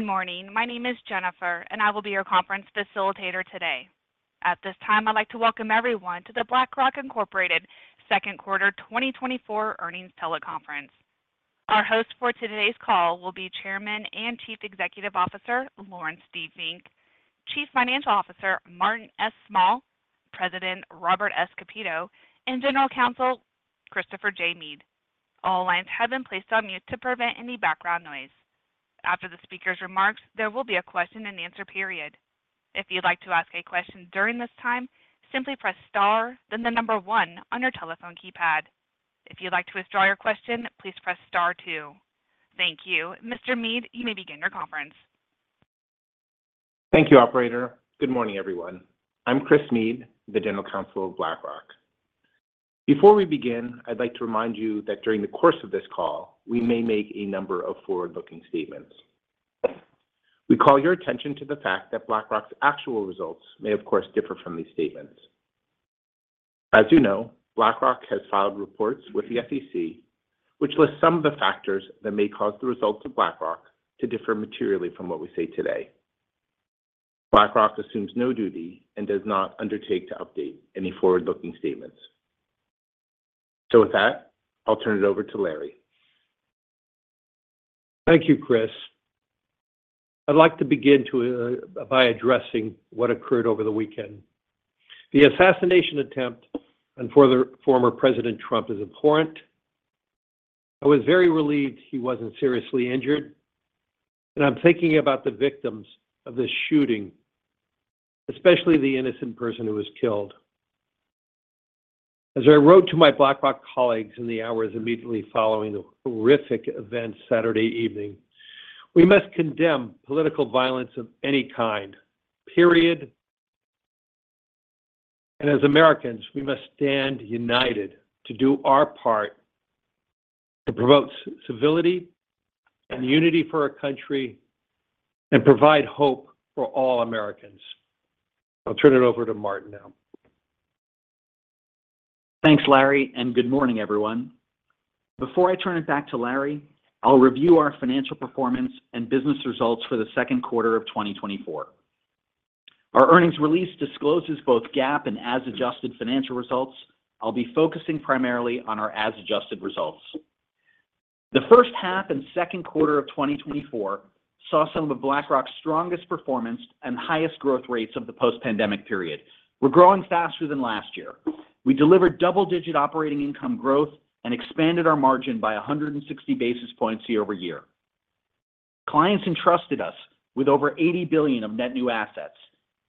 Good morning. My name is Jennifer, and I will be your conference facilitator today. At this time, I'd like to welcome everyone to the BlackRock Incorporated second quarter 2024 earnings teleconference. Our host for today's call will be Chairman and Chief Executive Officer, Laurence D. Fink, Chief Financial Officer, Martin S. Small, President Robert S. Kapito, and General Counsel, Christopher J. Meade. All lines have been placed on mute to prevent any background noise. After the speaker's remarks, there will be a question and answer period. If you'd like to ask a question during this time, simply press Star, then the number one on your telephone keypad. If you'd like to withdraw your question, please press Star two. Thank you. Mr. Meade, you may begin your conference. Thank you, operator. Good morning, everyone. I'm Chris Meade, the General Counsel of BlackRock. Before we begin, I'd like to remind you that during the course of this call, we may make a number of forward-looking statements. We call your attention to the fact that BlackRock's actual results may, of course, differ from these statements. As you know, BlackRock has filed reports with the SEC, which lists some of the factors that may cause the results of BlackRock to differ materially from what we say today. BlackRock assumes no duty and does not undertake to update any forward-looking statements. With that, I'll turn it over to Larry. Thank you, Chris. I'd like to begin to by addressing what occurred over the weekend. The assassination attempt on former, former President Trump is abhorrent. I was very relieved he wasn't seriously injured, and I'm thinking about the victims of this shooting, especially the innocent person who was killed. As I wrote to my BlackRock colleagues in the hours immediately following the horrific events Saturday evening, we must condemn political violence of any kind, period. And as Americans, we must stand united to do our part to promote civility and unity for our country and provide hope for all Americans. I'll turn it over to Martin now. Thanks, Larry, and good morning, everyone. Before I turn it back to Larry, I'll review our financial performance and business results for the second quarter of 2024. Our earnings release discloses both GAAP and as adjusted financial results. I'll be focusing primarily on our as adjusted results. The first half and second quarter of 2024 saw some of BlackRock's strongest performance and highest growth rates of the post-pandemic period. We're growing faster than last year. We delivered double-digit operating income growth and expanded our margin by 160 basis points year-over-year. Clients entrusted us with over $80 billion of net new assets.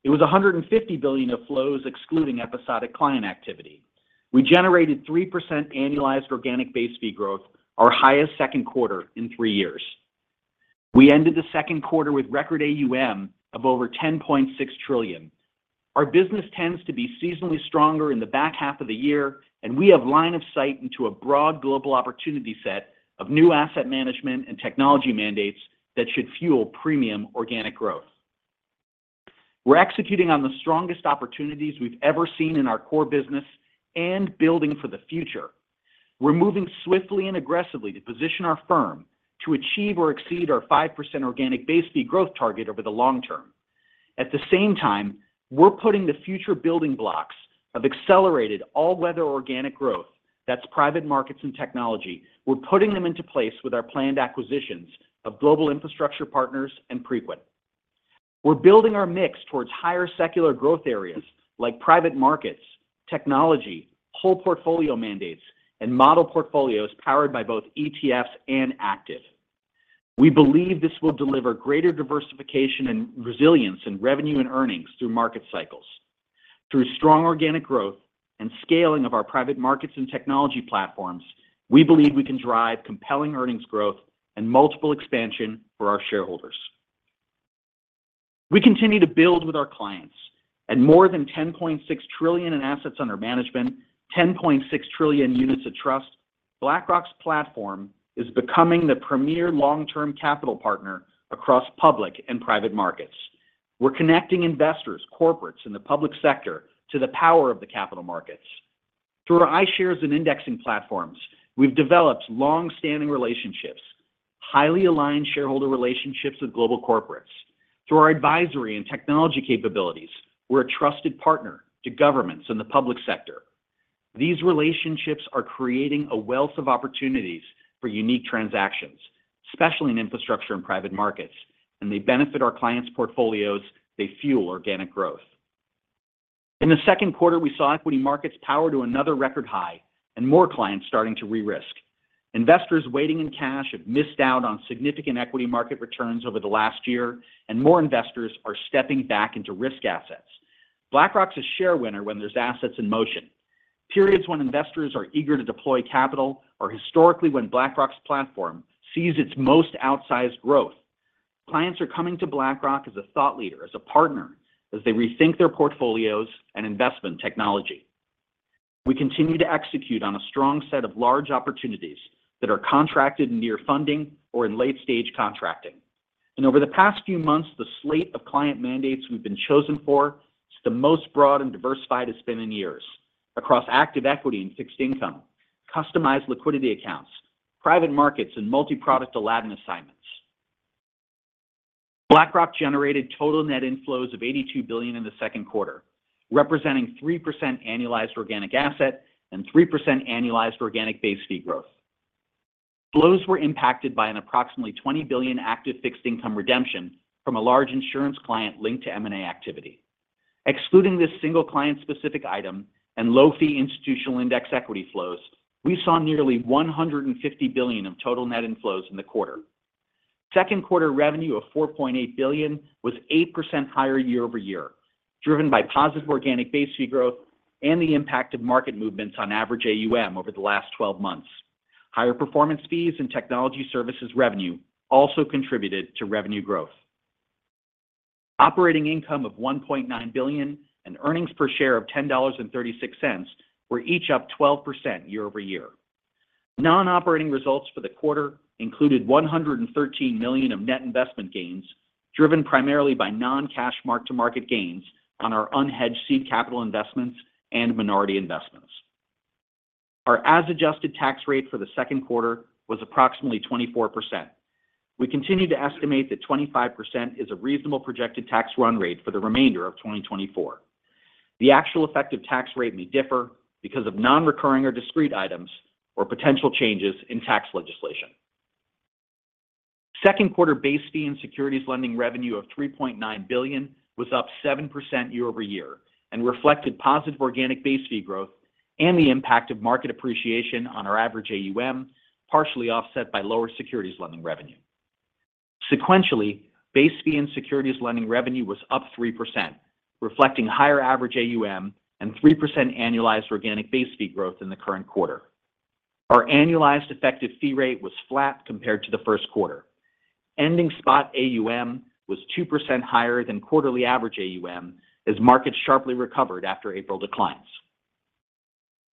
It was $150 billion of flows, excluding episodic client activity. We generated 3% annualized organic base fee growth, our highest second quarter in three years. We ended the second quarter with record AUM of over $10.6 trillion. Our business tends to be seasonally stronger in the back half of the year, and we have line of sight into a broad global opportunity set of new asset management and technology mandates that should fuel premium organic growth. We're executing on the strongest opportunities we've ever seen in our core business and building for the future. We're moving swiftly and aggressively to position our firm to achieve or exceed our 5% organic base fee growth target over the long term. At the same time, we're putting the future building blocks of accelerated all-weather organic growth. That's private markets and technology. We're putting them into place with our planned acquisitions of Global Infrastructure Partners and Preqin. We're building our mix towards higher secular growth areas like private markets, technology, whole portfolio mandates, and model portfolios powered by both ETFs and active. We believe this will deliver greater diversification and resilience in revenue and earnings through market cycles. Through strong organic growth and scaling of our private markets and technology platforms, we believe we can drive compelling earnings growth and multiple expansion for our shareholders. We continue to build with our clients and more than $10.6 trillion in assets under management, $10.6 trillion units of trust. BlackRock's platform is becoming the premier long-term capital partner across public and private markets. We're connecting investors, corporates, and the public sector to the power of the capital markets. Through our iShares and indexing platforms, we've developed long-standing relationships, highly aligned shareholder relationships with global corporates. Through our advisory and technology capabilities, we're a trusted partner to governments and the public sector. These relationships are creating a wealth of opportunities for unique transactions, especially in infrastructure and private markets, and they benefit our clients' portfolios. They fuel organic growth. In the second quarter, we saw equity markets powered to another record high and more clients starting to re-risk. Investors waiting in cash have missed out on significant equity market returns over the last year, and more investors are stepping back into risk assets. BlackRock is a share winner when there's assets in motion. Periods when investors are eager to deploy capital are historically when BlackRock's platform sees its most outsized growth. Clients are coming to BlackRock as a thought leader, as a partner, as they rethink their portfolios and investment technology. We continue to execute on a strong set of large opportunities that are contracted near funding or in late-stage contracting. Over the past few months, the slate of client mandates we've been chosen for is the most broad and diversified it's been in years across active equity and fixed income, customized liquidity accounts, private markets, and multi-product Aladdin assignments. BlackRock generated total net inflows of $82 billion in the second quarter, representing 3% annualized organic asset and 3% annualized organic base fee growth. Flows were impacted by an approximately $20 billion active fixed income redemption from a large insurance client linked to M&A activity. Excluding this single client-specific item and low-fee institutional index equity flows, we saw nearly $150 billion of total net inflows in the quarter. Second quarter revenue of $4.8 billion was 8% higher year-over-year, driven by positive organic base fee growth and the impact of market movements on average AUM over the last 12 months. Higher performance fees and technology services revenue also contributed to revenue growth. Operating income of $1.9 billion and earnings per share of $10.36 were each up 12% year-over-year. Non-operating results for the quarter included $113 million of net investment gains, driven primarily by non-cash mark-to-market gains on our unhedged seed capital investments and minority investments. Our as-adjusted tax rate for the second quarter was approximately 24%. We continue to estimate that 25% is a reasonable projected tax run rate for the remainder of 2024. The actual effective tax rate may differ because of non-recurring or discrete items or potential changes in tax legislation. Second quarter base fee and securities lending revenue of $3.9 billion was up 7% year-over-year and reflected positive organic base fee growth and the impact of market appreciation on our average AUM, partially offset by lower securities lending revenue. Sequentially, base fee and securities lending revenue was up 3%, reflecting higher average AUM and 3% annualized organic base fee growth in the current quarter. Our annualized effective fee rate was flat compared to the first quarter. Ending spot AUM was 2% higher than quarterly average AUM, as markets sharply recovered after April declines.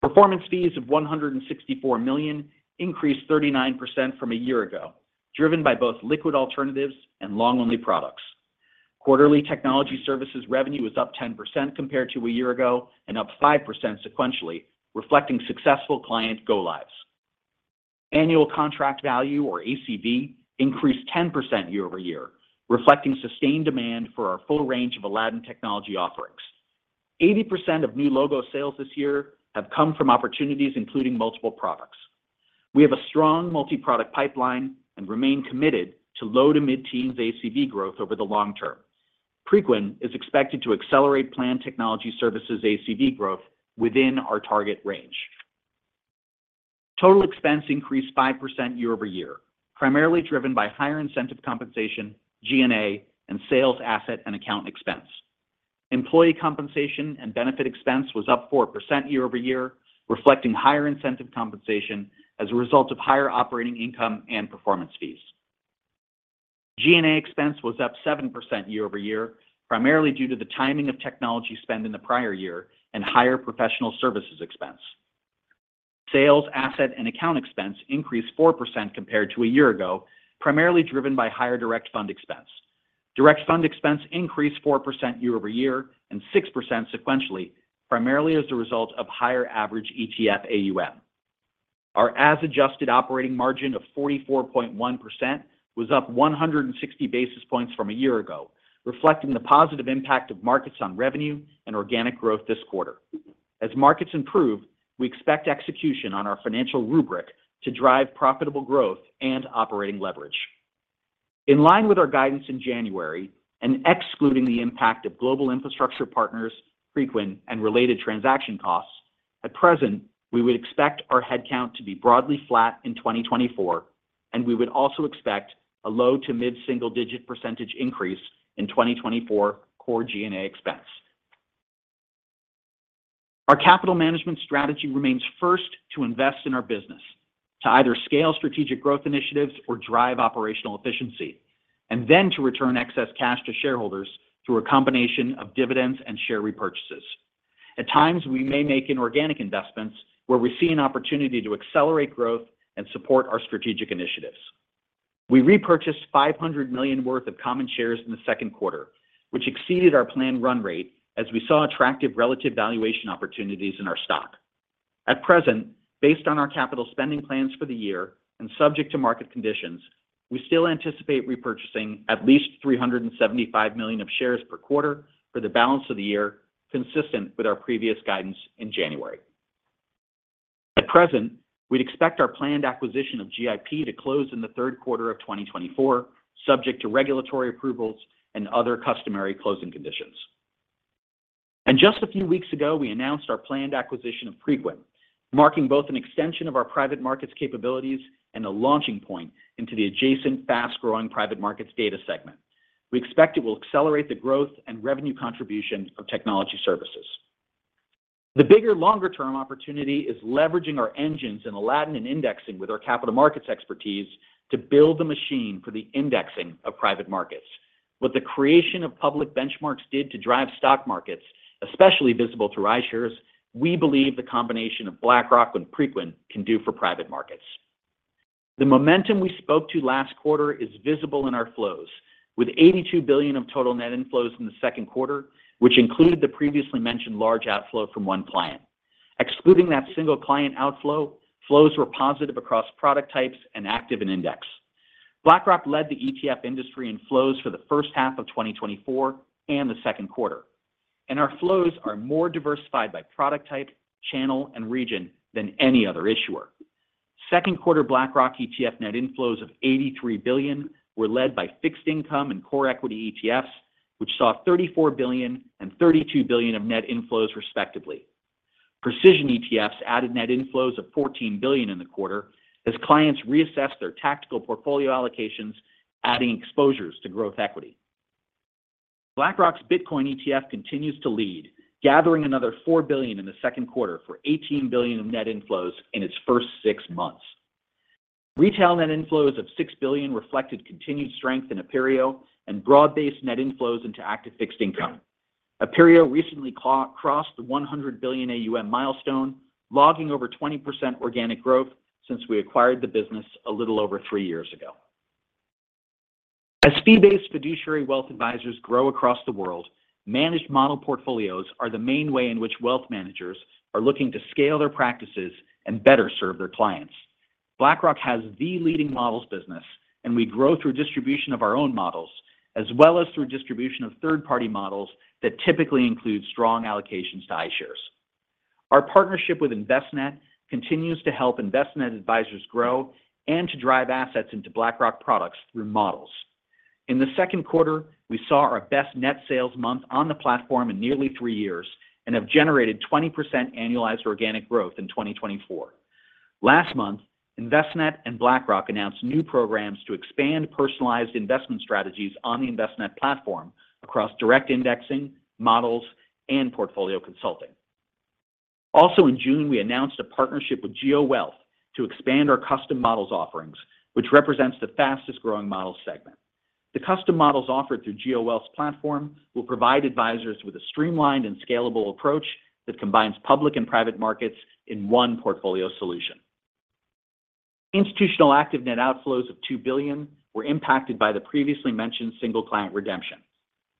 Performance fees of $164 million increased 39% from a year ago, driven by both liquid alternatives and long-only products. Quarterly technology services revenue was up 10% compared to a year ago and up 5% sequentially, reflecting successful client go lives. Annual contract value, or ACV, increased 10% year-over-year, reflecting sustained demand for our full range of Aladdin technology offerings. 80% of new logo sales this year have come from opportunities including multiple products. We have a strong multi-product pipeline and remain committed to low- to mid-teens ACV growth over the long term. Preqin is expected to accelerate planned technology services ACV growth within our target range. Total expense increased 5% year-over-year, primarily driven by higher incentive compensation, G&A, and sales, asset, and account expense. Employee compensation and benefit expense was up 4% year-over-year, reflecting higher incentive compensation as a result of higher operating income and performance fees. G&A expense was up 7% year-over-year, primarily due to the timing of technology spend in the prior year and higher professional services expense. Sales, asset, and account expense increased 4% compared to a year ago, primarily driven by higher direct fund expense. Direct fund expense increased 4% year-over-year and 6% sequentially, primarily as a result of higher average ETF AUM. Our as-adjusted operating margin of 44.1% was up 160 basis points from a year ago, reflecting the positive impact of markets on revenue and organic growth this quarter. As markets improve, we expect execution on our financial rubric to drive profitable growth and operating leverage. In line with our guidance in January, and excluding the impact of Global Infrastructure Partners, Preqin, and related transaction costs, at present, we would expect our headcount to be broadly flat in 2024, and we would also expect a low- to mid-single-digit % increase in 2024 core G&A expense. Our capital management strategy remains first to invest in our business, to either scale strategic growth initiatives or drive operational efficiency, and then to return excess cash to shareholders through a combination of dividends and share repurchases. At times, we may make inorganic investments where we see an opportunity to accelerate growth and support our strategic initiatives. We repurchased $500 million worth of common shares in the second quarter, which exceeded our planned run rate as we saw attractive relative valuation opportunities in our stock. At present, based on our capital spending plans for the year and subject to market conditions, we still anticipate repurchasing at least 375 million shares per quarter for the balance of the year, consistent with our previous guidance in January. At present, we'd expect our planned acquisition of GIP to close in the third quarter of 2024, subject to regulatory approvals and other customary closing conditions. Just a few weeks ago, we announced our planned acquisition of Preqin, marking both an extension of our private markets capabilities and a launching point into the adjacent, fast-growing private markets data segment. We expect it will accelerate the growth and revenue contribution of technology services. The bigger, longer term opportunity is leveraging our engines in Aladdin and indexing with our capital markets expertise to build the machine for the indexing of private markets. What the creation of public benchmarks did to drive stock markets, especially visible to iShares, we believe the combination of BlackRock and Preqin can do for private markets. The momentum we spoke to last quarter is visible in our flows, with $82 billion of total net inflows in the second quarter, which included the previously mentioned large outflow from one client. Excluding that single client outflow, flows were positive across product types and active and index. BlackRock led the ETF industry in flows for the first half of 2024 and the second quarter, and our flows are more diversified by product type, channel, and region than any other issuer. Second quarter, BlackRock ETF net inflows of $83 billion were led by fixed income and core equity ETFs, which saw $34 billion and $32 billion of net inflows, respectively. Precision ETFs added net inflows of $14 billion in the quarter as clients reassessed their tactical portfolio allocations, adding exposures to growth equity. BlackRock's Bitcoin ETF continues to lead, gathering another $4 billion in the second quarter for $18 billion of net inflows in its first six months. Retail net inflows of $6 billion reflected continued strength in Aperio and broad-based net inflows into active fixed income. Aperio recently crossed the $100 billion AUM milestone, logging over 20% organic growth since we acquired the business a little over 3 years ago. As fee-based fiduciary wealth advisors grow across the world, managed model portfolios are the main way in which wealth managers are looking to scale their practices and better serve their clients. BlackRock has the leading models business, and we grow through distribution of our own models, as well as through distribution of third-party models that typically include strong allocations to iShares. Our partnership with Envestnet continues to help Envestnet advisors grow and to drive assets into BlackRock products through models. In the second quarter, we saw our best net sales month on the platform in nearly three years and have generated 20% annualized organic growth in 2024. Last month, Envestnet and BlackRock announced new programs to expand personalized investment strategies on the Envestnet platform across direct indexing, models, and portfolio consulting. Also in June, we announced a partnership with GeoWealth to expand our custom models offerings, which represents the fastest-growing model segment. The custom models offered through GeoWealth's platform will provide advisors with a streamlined and scalable approach that combines public and private markets in one portfolio solution. Institutional active net outflows of $2 billion were impacted by the previously mentioned single client redemption.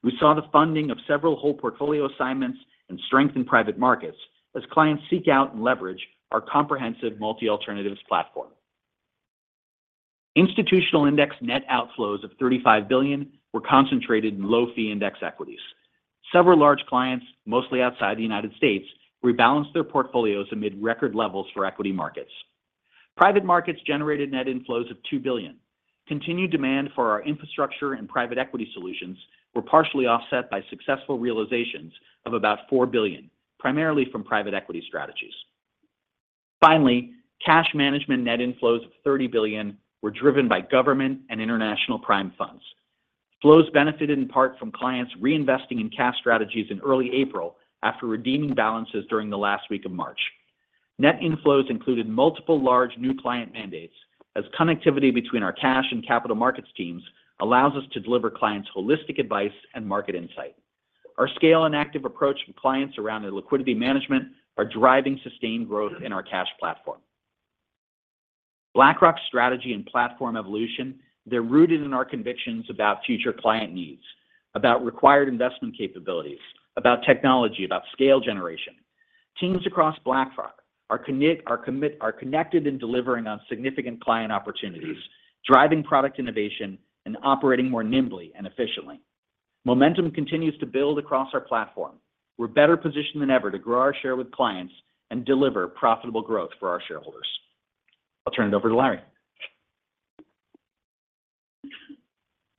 We saw the funding of several whole portfolio assignments and strength in private markets as clients seek out and leverage our comprehensive multi-alternatives platform. Institutional index net outflows of $35 billion were concentrated in low-fee index equities. Several large clients, mostly outside the United States, rebalanced their portfolios amid record levels for equity markets. Private markets generated net inflows of $2 billion. Continued demand for our infrastructure and private equity solutions were partially offset by successful realizations of about $4 billion, primarily from private equity strategies. Finally, cash management net inflows of $30 billion were driven by government and international prime funds. Flows benefited in part from clients reinvesting in cash strategies in early April after redeeming balances during the last week of March. Net inflows included multiple large new client mandates, as connectivity between our cash and capital markets teams allows us to deliver clients holistic advice and market insight. Our scale and active approach with clients around their liquidity management are driving sustained growth in our cash platform. BlackRock's strategy and platform evolution, they're rooted in our convictions about future client needs, about required investment capabilities, about technology, about scale generation. Teams across BlackRock are connected in delivering on significant client opportunities, driving product innovation, and operating more nimbly and efficiently. Momentum continues to build across our platform. We're better positioned than ever to grow our share with clients and deliver profitable growth for our shareholders. I'll turn it over to Larry.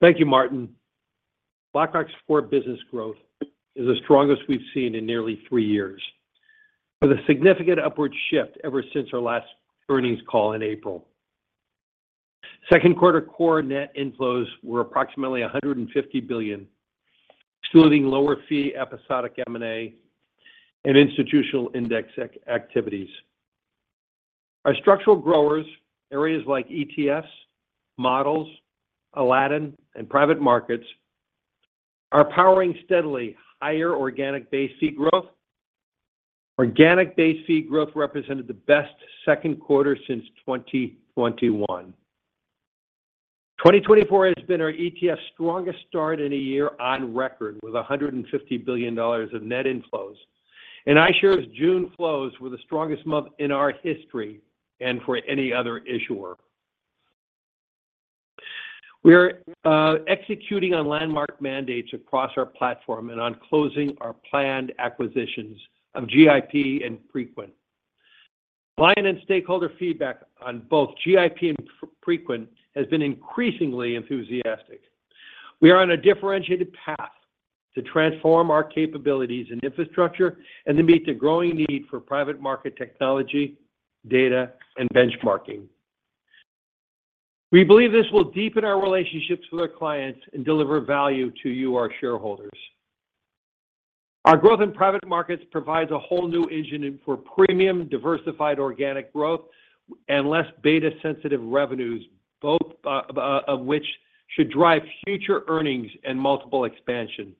Thank you, Martin. BlackRock's core business growth is the strongest we've seen in nearly three years, with a significant upward shift ever since our last earnings call in April. Second quarter core net inflows were approximately $150 billion, excluding lower fee, episodic M&A, and institutional index activities. Our structural growers, areas like ETFs, models, Aladdin, and private markets, are powering steadily higher organic base fee growth. Organic base fee growth represented the best second quarter since 2021. 2024 has been our ETF's strongest start in a year on record, with $150 billion of net inflows. iShares June flows were the strongest month in our history and for any other issuer. We are executing on landmark mandates across our platform and on closing our planned acquisitions of GIP and Preqin. Client and stakeholder feedback on both GIP and Preqin has been increasingly enthusiastic. We are on a differentiated path to transform our capabilities and infrastructure and to meet the growing need for private market technology, data, and benchmarking. We believe this will deepen our relationships with our clients and deliver value to you, our shareholders. Our growth in private markets provides a whole new engine for premium, diversified, organic growth and less beta-sensitive revenues, both of which should drive future earnings and multiple expansion.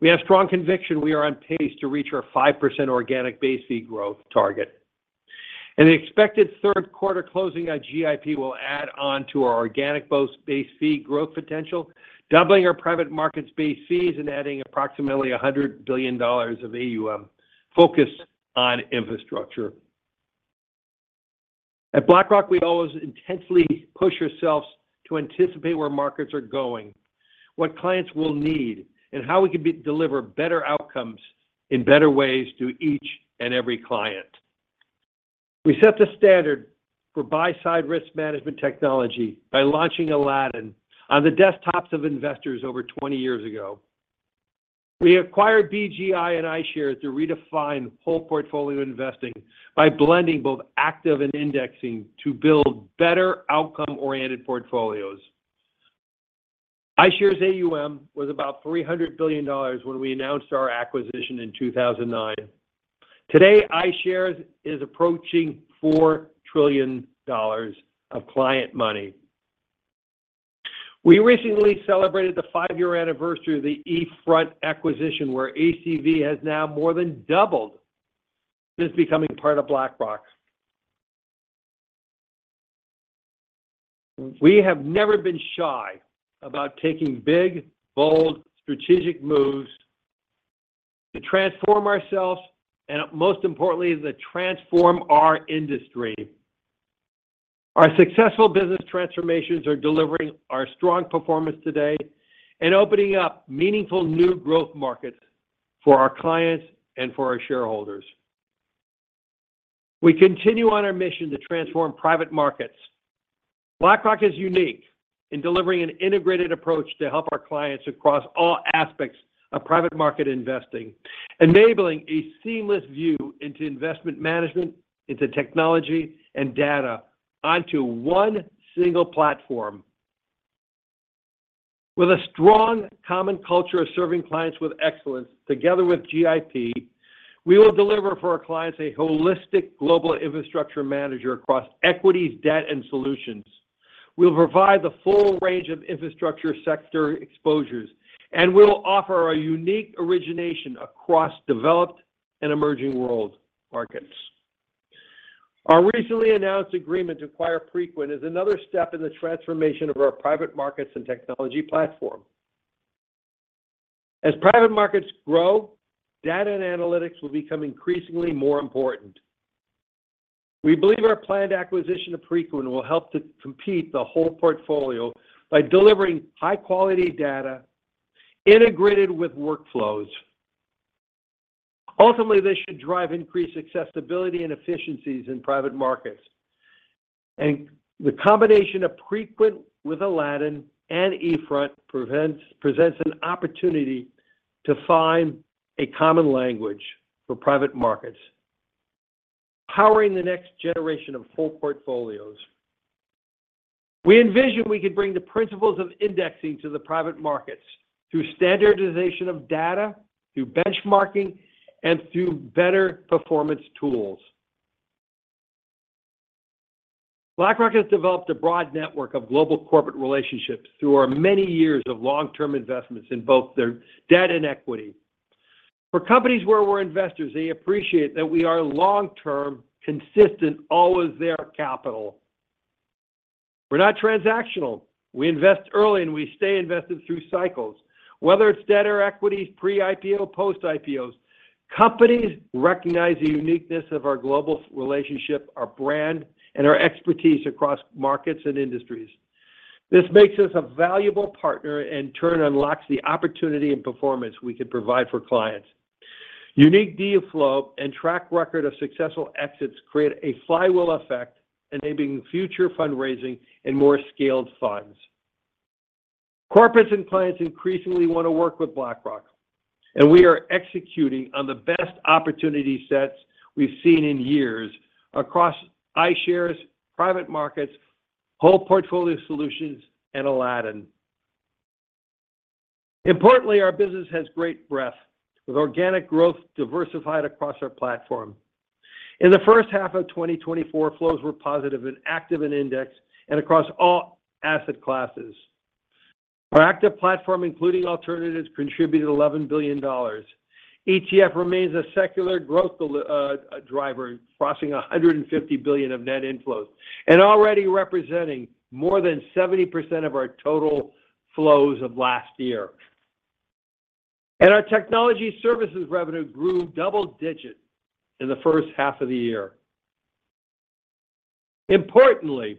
We have strong conviction we are on pace to reach our 5% organic base fee growth target. The expected third quarter closing on GIP will add on to our organic base fee growth potential, doubling our private markets base fees and adding approximately $100 billion of AUM focused on infrastructure. At BlackRock, we always intensely push ourselves to anticipate where markets are going, what clients will need, and how we can deliver better outcomes in better ways to each and every client. We set the standard for buy-side risk management technology by launching Aladdin on the desktops of investors over 20 years ago. We acquired BGI and iShares to redefine whole portfolio investing by blending both active and indexing to build better outcome-oriented portfolios. iShares AUM was about $300 billion when we announced our acquisition in 2009. Today, iShares is approaching $4 trillion of client money. We recently celebrated the 5-year anniversary of the eFront acquisition, where ACV has now more than doubled since becoming part of BlackRock. We have never been shy about taking big, bold, strategic moves to transform ourselves and, most importantly, to transform our industry. Our successful business transformations are delivering our strong performance today and opening up meaningful new growth markets for our clients and for our shareholders. We continue on our mission to transform private markets. BlackRock is unique in delivering an integrated approach to help our clients across all aspects of private market investing, enabling a seamless view into investment management, into technology and data onto one single platform. With a strong common culture of serving clients with excellence, together with GIP, we will deliver for our clients a holistic global infrastructure manager across equities, debt, and solutions. We'll provide the full range of infrastructure sector exposures, and we'll offer a unique origination across developed and emerging world markets. Our recently announced agreement to acquire Preqin is another step in the transformation of our private markets and technology platform. As private markets grow, data and analytics will become increasingly more important. We believe our planned acquisition of Preqin will help to complete the whole portfolio by delivering high-quality data integrated with workflows. Ultimately, this should drive increased accessibility and efficiencies in private markets. The combination of Preqin with Aladdin and eFront presents an opportunity to find a common language for private markets, powering the next generation of full portfolios. We envision we could bring the principles of indexing to the private markets through standardization of data, through benchmarking, and through better performance tools. BlackRock has developed a broad network of global corporate relationships through our many years of long-term investments in both their debt and equity. For companies where we're investors, they appreciate that we are long-term, consistent, always there capital. We're not transactional. We invest early, and we stay invested through cycles. Whether it's debt or equity, pre-IPO, post-IPOs, companies recognize the uniqueness of our global relationship, our brand, and our expertise across markets and industries. This makes us a valuable partner and, in turn, unlocks the opportunity and performance we could provide for clients. Unique deal flow and track record of successful exits create a flywheel effect, enabling future fundraising and more scaled funds. Corporates and clients increasingly want to work with BlackRock, and we are executing on the best opportunity sets we've seen in years across iShares, private markets, whole portfolio solutions, and Aladdin. Importantly, our business has great breadth, with organic growth diversified across our platform. In the first half of 2024, flows were positive and active in index and across all asset classes. Our active platform, including alternatives, contributed $11 billion. ETF remains a secular growth driver, crossing $150 billion of net inflows and already representing more than 70% of our total flows of last year. Our technology services revenue grew double digits in the first half of the year. Importantly,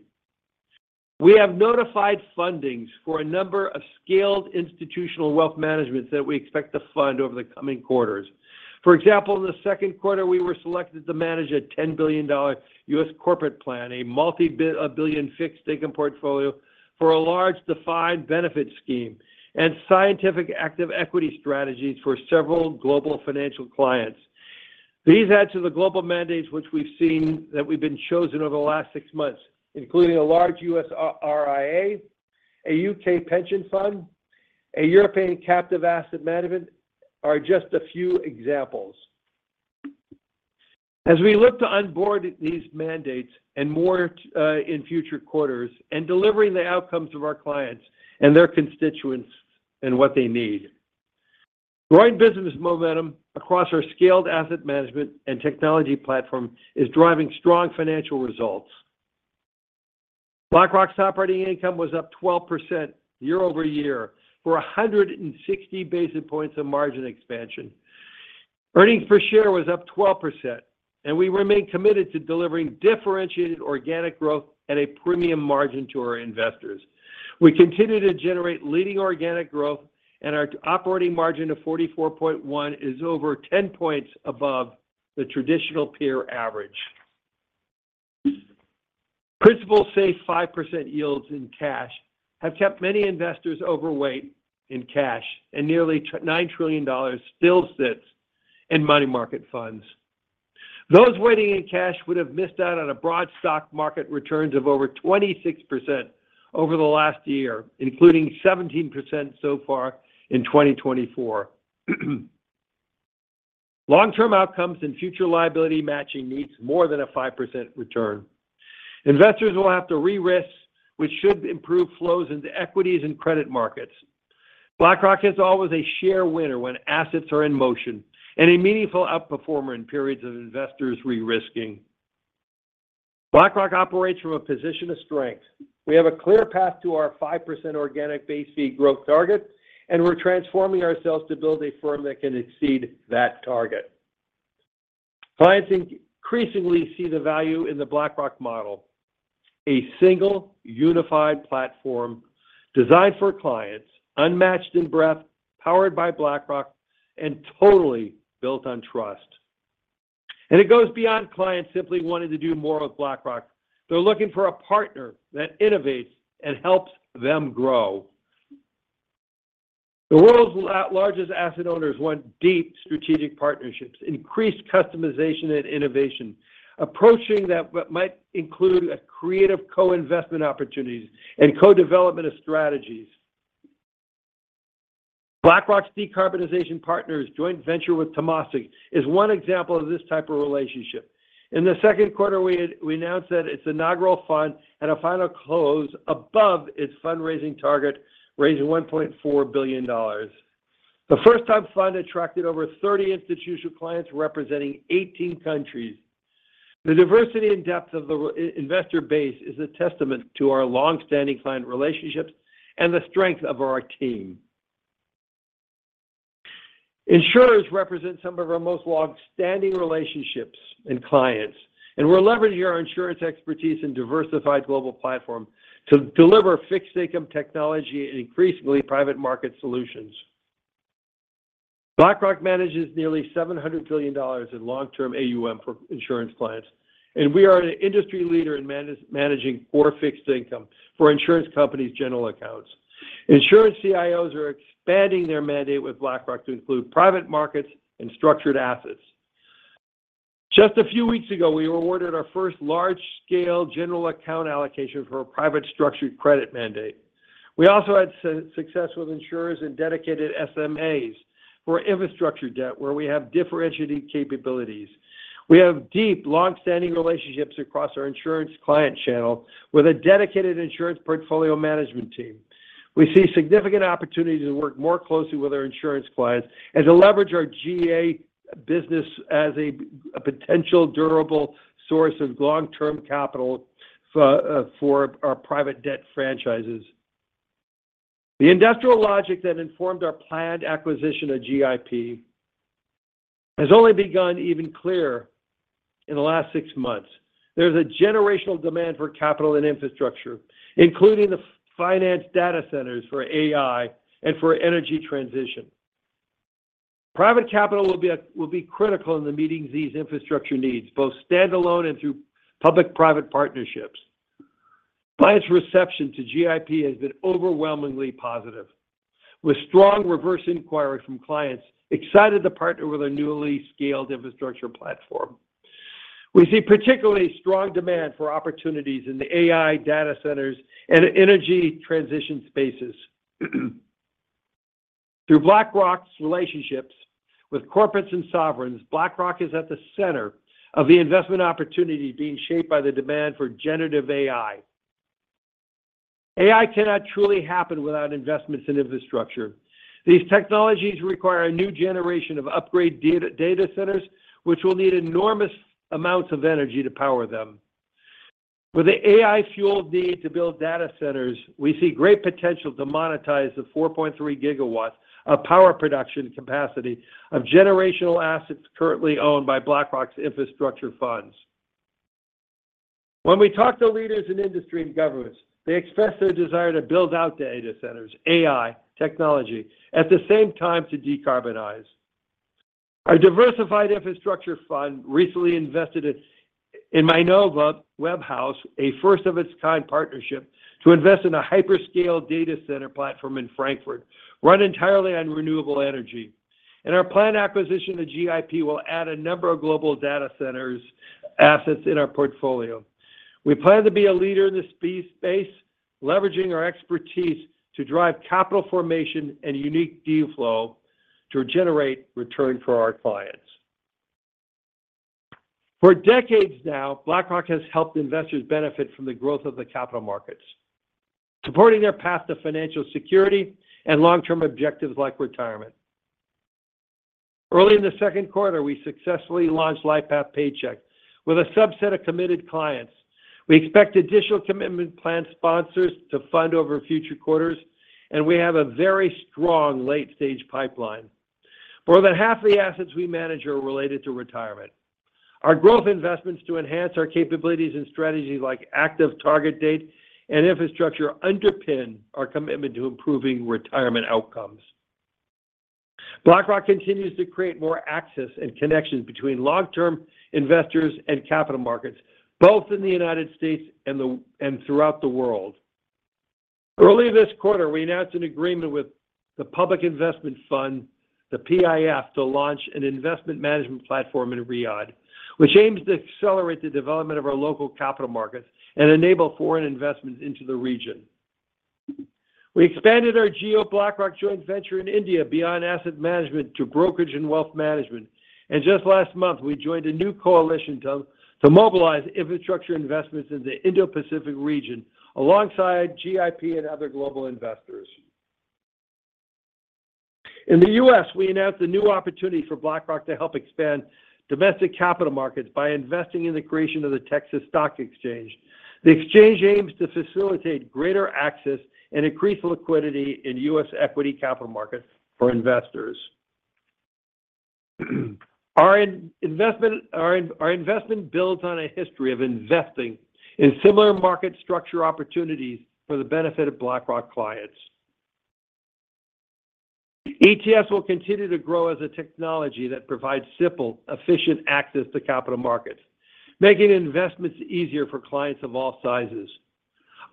we have notified fundings for a number of scaled institutional wealth management that we expect to fund over the coming quarters. For example, in the second quarter, we were selected to manage a $10 billion U.S. corporate plan, a multi-billion fixed income portfolio for a large defined benefit scheme and Systematic Active Equity strategies for several global financial clients. These add to the global mandates, which we've seen that we've been chosen over the last six months, including a large U.S. RIA, a U.K. pension fund, a European captive asset management, are just a few examples.... As we look to onboard these mandates and more, in future quarters, and delivering the outcomes of our clients and their constituents and what they need. Growing business momentum across our scaled asset management and technology platform is driving strong financial results. BlackRock's operating income was up 12% year-over-year, for 160 basis points of margin expansion. Earnings per share was up 12%, and we remain committed to delivering differentiated organic growth at a premium margin to our investors. We continue to generate leading organic growth, and our operating margin of 44.1% is over 10 points above the traditional peer average. Principally safe 5% yields in cash have kept many investors overweight in cash, and nearly $9 trillion still sits in money market funds. Those waiting in cash would have missed out on a broad stock market returns of over 26% over the last year, including 17% so far in 2024. Long-term outcomes and future liability matching needs more than a 5% return. Investors will have to re-risk, which should improve flows into equities and credit markets. BlackRock is always a share winner when assets are in motion, and a meaningful outperformer in periods of investors re-risking. BlackRock operates from a position of strength. We have a clear path to our 5% organic base fee growth target, and we're transforming ourselves to build a firm that can exceed that target. Clients increasingly see the value in the BlackRock model, a single, unified platform designed for clients, unmatched in breadth, powered by BlackRock, and totally built on trust. It goes beyond clients simply wanting to do more with BlackRock. They're looking for a partner that innovates and helps them grow. The world's largest asset owners want deep strategic partnerships, increased customization and innovation, approaching that what might include a creative co-investment opportunities and co-development of strategies. BlackRock's Decarbonization Partners, joint venture with Temasek, is one example of this type of relationship. In the second quarter, we announced that its inaugural fund had a final close above its fundraising target, raising $1.4 billion. The first-time fund attracted over 30 institutional clients, representing 18 countries. The diversity and depth of the investor base is a testament to our long-standing client relationships and the strength of our team. Insurers represent some of our most long-standing relationships and clients, and we're leveraging our insurance expertise and diversified global platform to deliver fixed income technology and increasingly private market solutions. BlackRock manages nearly $700 billion in long-term AUM for insurance clients, and we are an industry leader in managing core fixed income for insurance companies' general accounts. Insurance CIOs are expanding their mandate with BlackRock to include private markets and structured assets. Just a few weeks ago, we were awarded our first large-scale general account allocation for a private structured credit mandate. We also had success with insurers and dedicated SMAs for infrastructure debt, where we have differentiated capabilities. We have deep, long-standing relationships across our insurance client channel with a dedicated insurance portfolio management team. We see significant opportunities to work more closely with our insurance clients and to leverage our GA business as a, a potential durable source of long-term capital for, for our private debt franchises. The industrial logic that informed our planned acquisition of GIP has only become even clearer in the last six months. There's a generational demand for capital and infrastructure, including the financing data centers for AI and for energy transition. Private capital will be critical in meeting these infrastructure needs, both standalone and through public-private partnerships. Clients' reception to GIP has been overwhelmingly positive, with strong reverse inquiries from clients excited to partner with a newly scaled infrastructure platform. We see particularly strong demand for opportunities in the AI data centers and energy transition spaces. Through BlackRock's relationships with corporates and sovereigns, BlackRock is at the center of the investment opportunity being shaped by the demand for generative AI. AI cannot truly happen without investments in infrastructure. These technologies require a new generation of upgraded data, data centers, which will need enormous amounts of energy to power them. With the AI-fueled need to build data centers, we see great potential to monetize the 4.3 gigawatts of power production capacity of generational assets currently owned by BlackRock's infrastructure funds. When we talk to leaders in industry and governments, they express their desire to build out data centers, AI, technology, at the same time to decarbonize. Our diversified infrastructure fund recently invested in Mainova Webhouse, a first-of-its-kind partnership to invest in a hyperscale data center platform in Frankfurt, run entirely on renewable energy. Our planned acquisition of GIP will add a number of global data centers, assets in our portfolio. We plan to be a leader in this space, leveraging our expertise to drive capital formation and unique deal flow to generate return for our clients. For decades now, BlackRock has helped investors benefit from the growth of the capital markets, supporting their path to financial security and long-term objectives like retirement. Early in the second quarter, we successfully launched LifePath Paycheck with a subset of committed clients. We expect additional defined contribution plan sponsors to fund over future quarters, and we have a very strong late-stage pipeline. More than half the assets we manage are related to retirement. Our growth investments to enhance our capabilities in strategies like active target date and infrastructure underpin our commitment to improving retirement outcomes. BlackRock continues to create more access and connections between long-term investors and capital markets, both in the United States and throughout the world. Earlier this quarter, we announced an agreement with the Public Investment Fund, the PIF, to launch an investment management platform in Riyadh, which aims to accelerate the development of our local capital markets and enable foreign investment into the region. We expanded our Jio BlackRock joint venture in India beyond asset management to brokerage and wealth management, and just last month, we joined a new coalition to mobilize infrastructure investments in the Indo-Pacific region, alongside GIP and other global investors. In the U.S., we announced a new opportunity for BlackRock to help expand domestic capital markets by investing in the creation of the Texas Stock Exchange. The exchange aims to facilitate greater access and increase liquidity in U.S. equity capital markets for investors. Our investment builds on a history of investing in similar market structure opportunities for the benefit of BlackRock clients. ETFs will continue to grow as a technology that provides simple, efficient access to capital markets, making investments easier for clients of all sizes.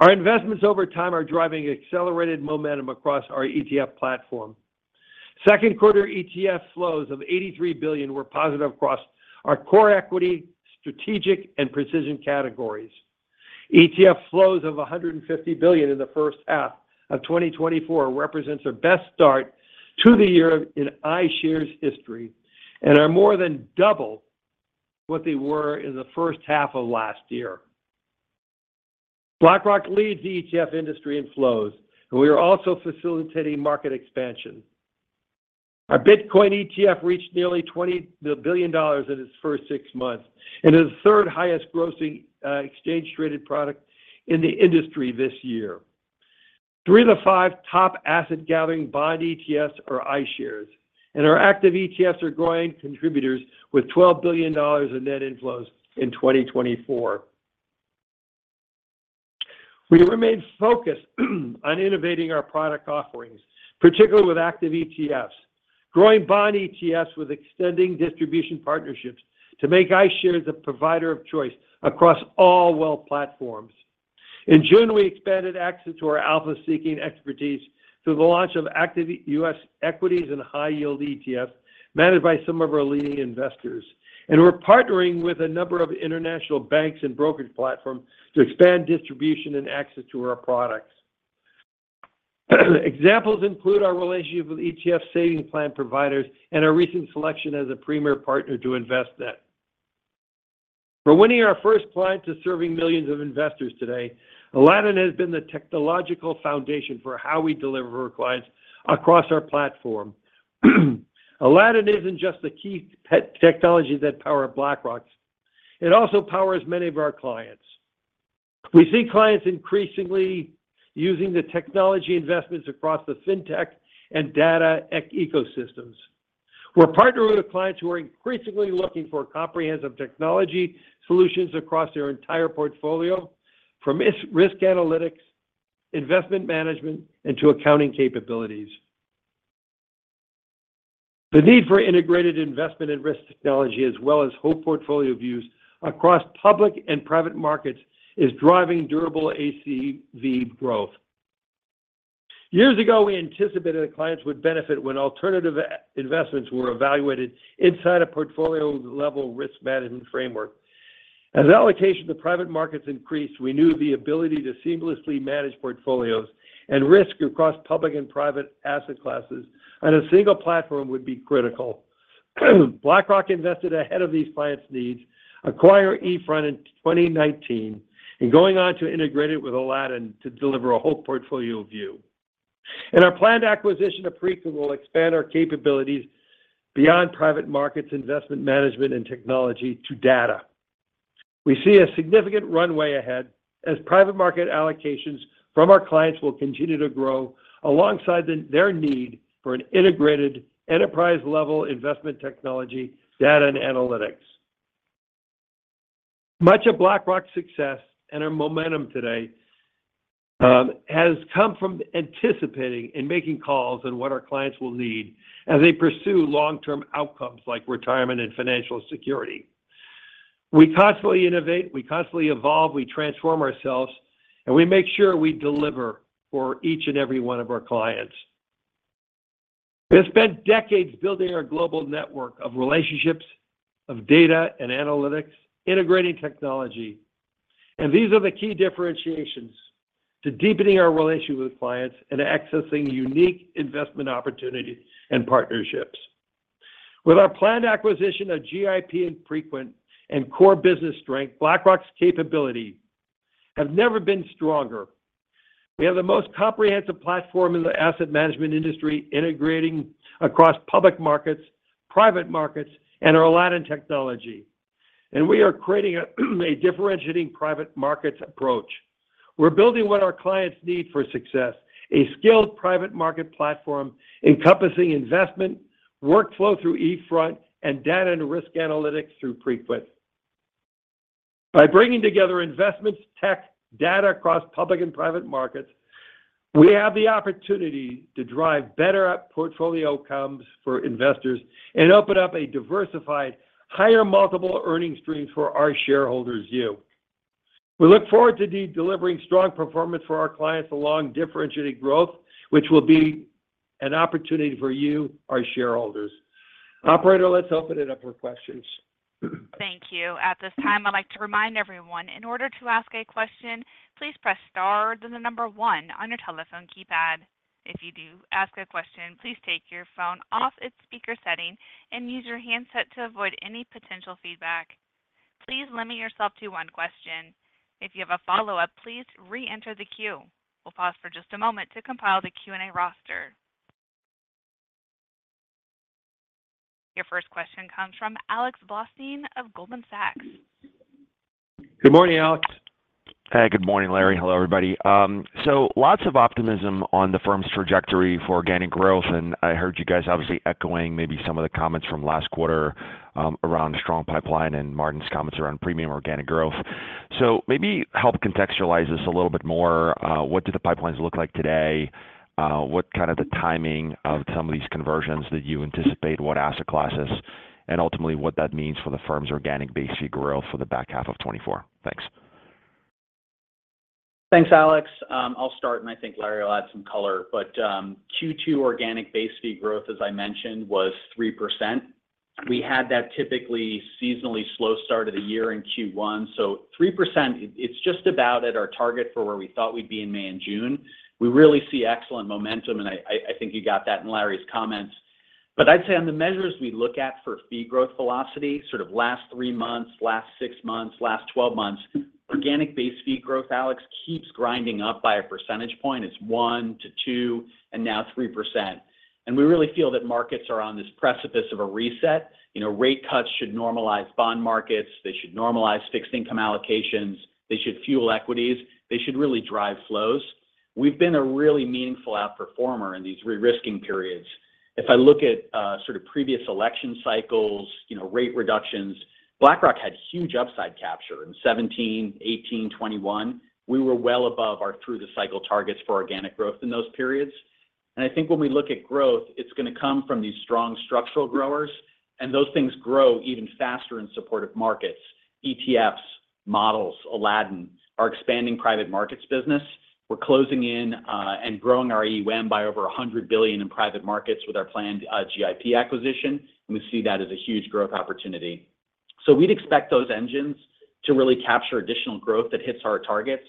Our investments over time are driving accelerated momentum across our ETF platform. Second quarter ETF flows of $83 billion were positive across our core equity, strategic, and precision categories. ETF flows of $150 billion in the first half of 2024 represents our best start to the year in iShares history, and are more than double what they were in the first half of last year. BlackRock leads the ETF industry in flows, and we are also facilitating market expansion. Our Bitcoin ETF reached nearly $20 billion in its first six months, and is the 3rd highest grossing exchange-traded product in the industry this year. 3 of the 5 top asset gathering bond ETFs are iShares, and our active ETFs are growing contributors with $12 billion in net inflows in 2024. We remain focused on innovating our product offerings, particularly with active ETFs, growing bond ETFs with extending distribution partnerships to make iShares a provider of choice across all wealth platforms. In June, we expanded access to our alpha-seeking expertise through the launch of active US equities and high-yield ETFs, managed by some of our leading investors. We're partnering with a number of international banks and brokerage platforms to expand distribution and access to our products. Examples include our relationship with ETF savings plan providers and our recent selection as a premier partner to Envestnet. For winning our first client to serving millions of investors today, Aladdin has been the technological foundation for how we deliver our clients across our platform. Aladdin isn't just the key technology that power BlackRock, it also powers many of our clients. We see clients increasingly using the technology investments across the fintech and data ecosystems. We're partnering with clients who are increasingly looking for comprehensive technology solutions across their entire portfolio, from risk analytics, investment management, and to accounting capabilities. The need for integrated investment and risk technology, as well as whole portfolio views across public and private markets, is driving durable ACV growth. Years ago, we anticipated that clients would benefit when alternative investments were evaluated inside a portfolio-level risk management framework. As allocation to private markets increased, we knew the ability to seamlessly manage portfolios and risk across public and private asset classes on a single platform would be critical. BlackRock invested ahead of these clients' needs, acquired eFront in 2019, and going on to integrate it with Aladdin to deliver a whole portfolio view. Our planned acquisition of Preqin will expand our capabilities beyond private markets, investment management, and technology to data. We see a significant runway ahead as private market allocations from our clients will continue to grow alongside their need for an integrated enterprise-level investment technology, data, and analytics. Much of BlackRock's success and our momentum today has come from anticipating and making calls on what our clients will need as they pursue long-term outcomes like retirement and financial security. We constantly innovate, we constantly evolve, we transform ourselves, and we make sure we deliver for each and every one of our clients. We have spent decades building our global network of relationships, of data and analytics, integrating technology. These are the key differentiations to deepening our relationship with clients and accessing unique investment opportunities and partnerships. With our planned acquisition of GIP and Preqin and core business strength, BlackRock's capability have never been stronger. We have the most comprehensive platform in the asset management industry, integrating across public markets, private markets, and our Aladdin technology. We are creating a differentiating private markets approach. We're building what our clients need for success, a skilled private market platform encompassing investment, workflow through eFront, and data and risk analytics through Preqin. By bringing together investments, tech, data across public and private markets, we have the opportunity to drive better at portfolio outcomes for investors and open up a diversified, higher multiple earning streams for our shareholders, you. We look forward to delivering strong performance for our clients along differentiated growth, which will be an opportunity for you, our shareholders. Operator, let's open it up for questions. Thank you. At this time, I'd like to remind everyone, in order to ask a question, please press star, then the number one on your telephone keypad. If you do ask a question, please take your phone off its speaker setting and use your handset to avoid any potential feedback. Please limit yourself to one question. If you have a follow-up, please reenter the queue. We'll pause for just a moment to compile the Q&A roster. Your first question comes from Alex Blostein of Goldman Sachs. Good morning, Alex. Hey, good morning, Larry. Hello, everybody. So lots of optimism on the firm's trajectory for organic growth, and I heard you guys obviously echoing maybe some of the comments from last quarter, around the strong pipeline and Martin's comments around premium organic growth. So maybe help contextualize this a little bit more. What do the pipelines look like today? What kind of the timing of some of these conversions that you anticipate, what asset classes, and ultimately, what that means for the firm's organic base fee growth for the back half of 2024? Thanks. Thanks, Alex. I'll start, and I think Larry will add some color. But, Q2 organic base fee growth, as I mentioned, was 3%. We had that typically seasonally slow start of the year in Q1, so 3%, it, it's just about at our target for where we thought we'd be in May and June. We really see excellent momentum, and I think you got that in Larry's comments. But I'd say on the measures we look at for fee growth velocity, sort of last 3 months, last 6 months, last 12 months, organic base fee growth, Alex, keeps grinding up by a percentage point. It's 1%-2%, and now 3%. And we really feel that markets are on this precipice of a reset. You know, rate cuts should normalize bond markets, they should normalize fixed income allocations, they should fuel equities, they should really drive flows. We've been a really meaningful outperformer in these re-risking periods. If I look at, sort of previous election cycles, you know, rate reductions, BlackRock had huge upside capture in 2017, 2018, 2021. We were well above our through-the-cycle targets for organic growth in those periods. And I think when we look at growth, it's gonna come from these strong structural growers, and those things grow even faster in supportive markets, ETFs, models, Aladdin, our expanding private markets business. We're closing in, and growing our AUM by over $100 billion in private markets with our planned, GIP acquisition, and we see that as a huge growth opportunity. So we'd expect those engines to really capture additional growth that hits our targets.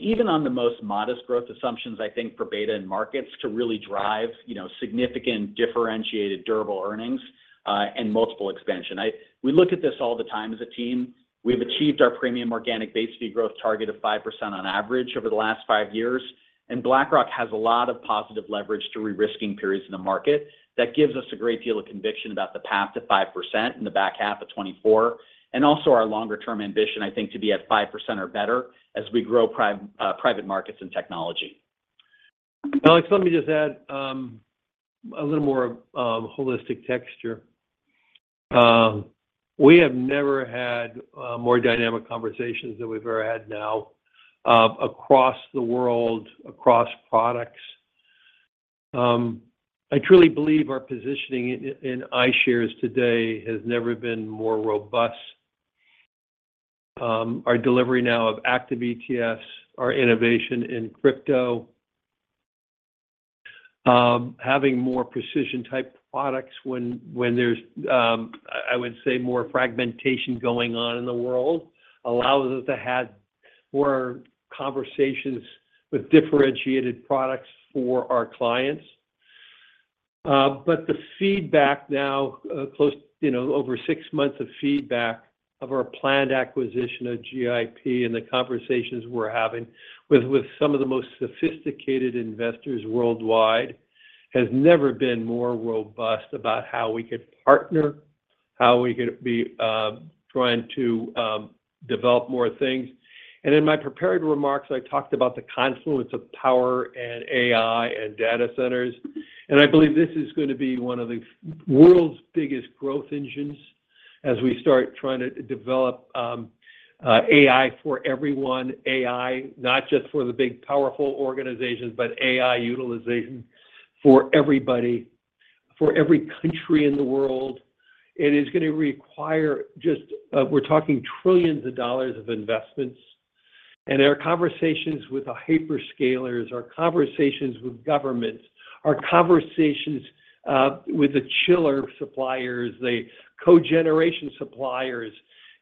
Even on the most modest growth assumptions, I think for beta and markets to really drive, you know, significant, differentiated, durable earnings, and multiple expansion. We look at this all the time as a team. We've achieved our premium organic base fee growth target of 5% on average over the last five years, and BlackRock has a lot of positive leverage to re-risking periods in the market. That gives us a great deal of conviction about the path to 5% in the back half of 2024, and also our longer term ambition, I think, to be at 5% or better as we grow private markets and technology. Alex, let me just add, a little more, holistic texture. We have never had, more dynamic conversations than we've ever had now, across the world, across products. I truly believe our positioning in, in iShares today has never been more robust. Our delivery now of active ETFs, our innovation in crypto, having more precision-type products when, when there's, I, I would say, more fragmentation going on in the world, allows us to have more conversations with differentiated products for our clients. But the feedback now, close, you know, over six months of feedback of our planned acquisition of GIP and the conversations we're having with, with some of the most sophisticated investors worldwide, has never been more robust about how we could partner, how we could be, trying to, develop more things. In my prepared remarks, I talked about the confluence of power and AI and data centers, and I believe this is gonna be one of the world's biggest growth engines as we start trying to develop AI for everyone, AI, not just for the big, powerful organizations, but AI utilization for everybody, for every country in the world. It is gonna require just, we're talking $ trillions of investments, and our conversations with the hyperscalers, our conversations with governments, our conversations with the chiller suppliers, the cogeneration suppliers,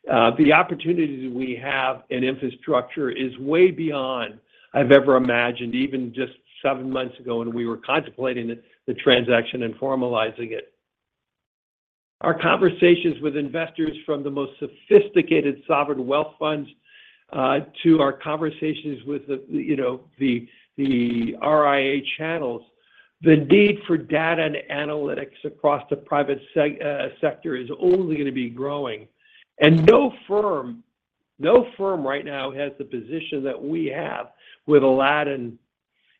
the opportunities we have in infrastructure is way beyond I've ever imagined, even just seven months ago when we were contemplating the, the transaction and formalizing it. Our conversations with investors from the most sophisticated sovereign wealth funds to our conversations with the, you know, the RIA channels, the need for data and analytics across the private sector is only going to be growing. And no firm, no firm right now has the position that we have with Aladdin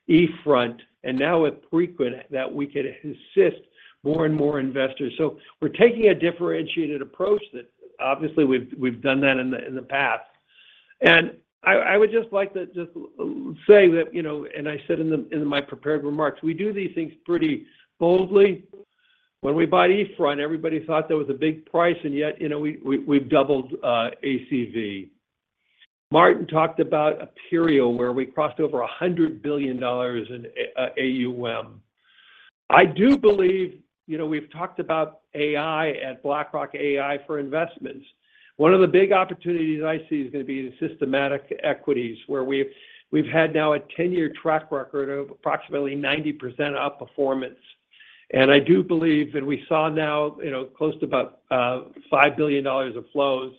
and eFront, and now with Preqin, that we can assist more and more investors. So we're taking a differentiated approach that obviously we've, we've done that in the, in the past. And I, I would just like to just say that, you know, and I said in the, in my prepared remarks, we do these things pretty boldly. When we bought eFront, everybody thought that was a big price, and yet, you know, we, we've doubled ACV. Martin talked about Aperio, where we crossed over $100 billion in AUM. I do believe, you know, we've talked about AI at BlackRock, AI for investments. One of the big opportunities I see is going to be the systematic equities, where we've had now a 10-year track record of approximately 90% outperformance. And I do believe, and we saw now, you know, close to about $5 billion of flows.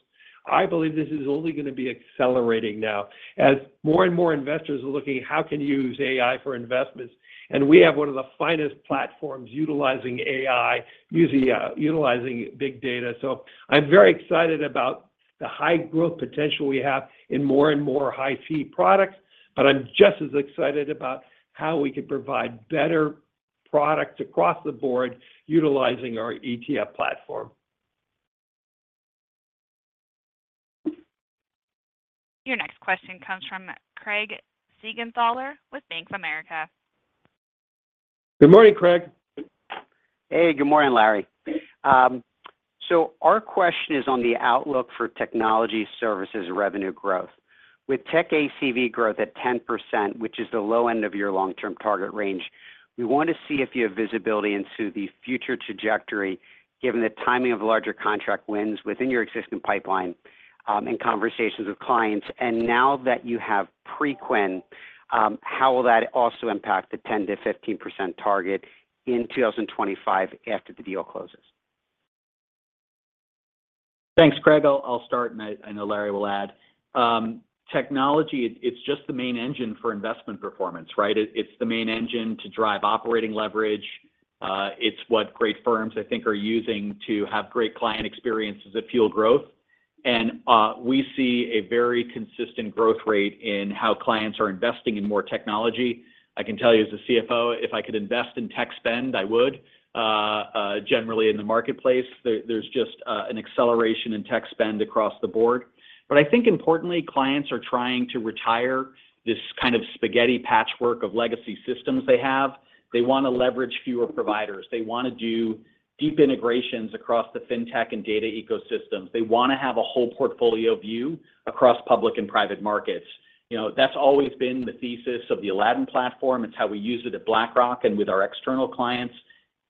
I believe this is only going to be accelerating now as more and more investors are looking at how can you use AI for investments. And we have one of the finest platforms utilizing AI, utilizing big data. So I'm very excited about the high growth potential we have in more and more high fee products, but I'm just as excited about how we can provide better products across the board utilizing our ETF platform. Your next question comes from Craig Siegenthaler with Bank of America. Good morning, Craig. Hey, good morning, Larry. So our question is on the outlook for technology services revenue growth. With tech ACV growth at 10%, which is the low end of your long-term target range, we want to see if you have visibility into the future trajectory, given the timing of larger contract wins within your existing pipeline, and conversations with clients. And now that you have Preqin, how will that also impact the 10%-15% target in 2025 after the deal closes? Thanks, Craig. I'll start, and I know Larry will add. Technology, it's just the main engine for investment performance, right? It's the main engine to drive operating leverage. It's what great firms, I think, are using to have great client experiences that fuel growth. And we see a very consistent growth rate in how clients are investing in more technology. I can tell you as a CFO, if I could invest in tech spend, I would. Generally in the marketplace, there's just an acceleration in tech spend across the board. But I think importantly, clients are trying to retire this kind of spaghetti patchwork of legacy systems they have. They want to leverage fewer providers. They want to do deep integrations across the fintech and data ecosystems. They want to have a whole portfolio view across public and private markets. You know, that's always been the thesis of the Aladdin platform. It's how we use it at BlackRock and with our external clients.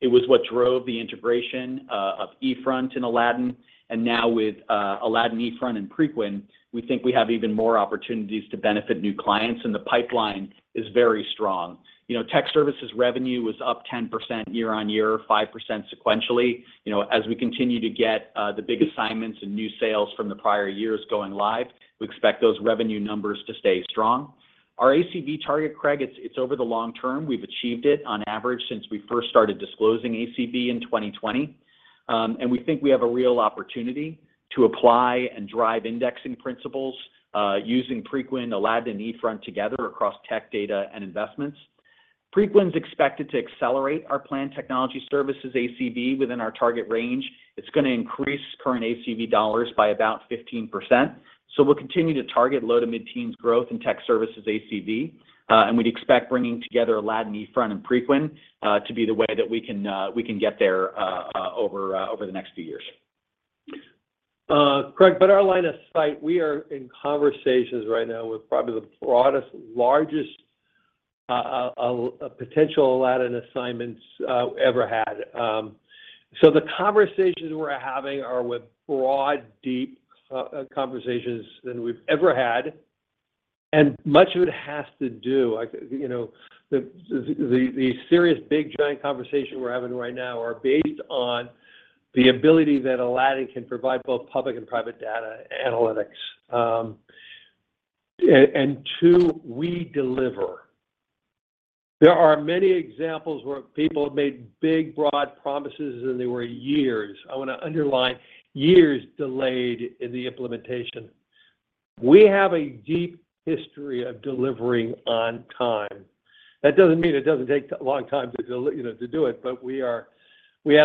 It was what drove the integration of eFront and Aladdin. And now with Aladdin, eFront, and Preqin, we think we have even more opportunities to benefit new clients, and the pipeline is very strong. You know, tech services revenue was up 10% year-on-year, 5% sequentially. You know, as we continue to get the big assignments and new sales from the prior years going live, we expect those revenue numbers to stay strong. Our ACV target, Craig, it's, it's over the long term. We've achieved it on average since we first started disclosing ACV in 2020. And we think we have a real opportunity to apply and drive indexing principles, using Preqin, Aladdin, and eFront together across tech, data, and investments. Preqin is expected to accelerate our planned technology services ACV within our target range. It's going to increase current ACV dollars by about 15%. We'll continue to target low- to mid-teens growth in tech services ACV, and we'd expect bringing together Aladdin, eFront, and Preqin to be the way that we can get there over the next few years. Craig, but our line of sight, we are in conversations right now with probably the broadest, largest, potential Aladdin assignments, ever had. So the conversations we're having are with broad, deep, conversations than we've ever had, and much of it has to do... Like, you know, the serious, big, giant conversation we're having right now are based on the ability that Aladdin can provide both public and private data analytics. And two, we deliver. There are many examples where people have made big, broad promises, and they were years, I want to underline, years delayed in the implementation. We have a deep history of delivering on time. That doesn't mean it doesn't take a long time to deliver, you know, to do it, but we have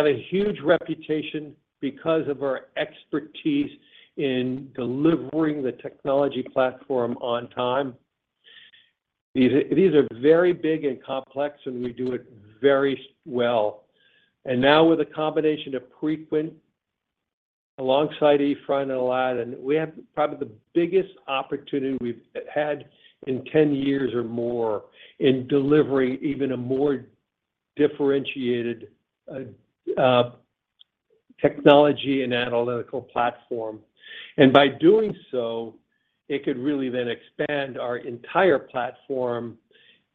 a huge reputation because of our expertise in delivering the technology platform on time. These are very big and complex, and we do it very well. Now with a combination of Preqin, alongside eFront and Aladdin, we have probably the biggest opportunity we've had in 10 years or more in delivering even a more differentiated technology and analytical platform. And by doing so, it could really then expand our entire platform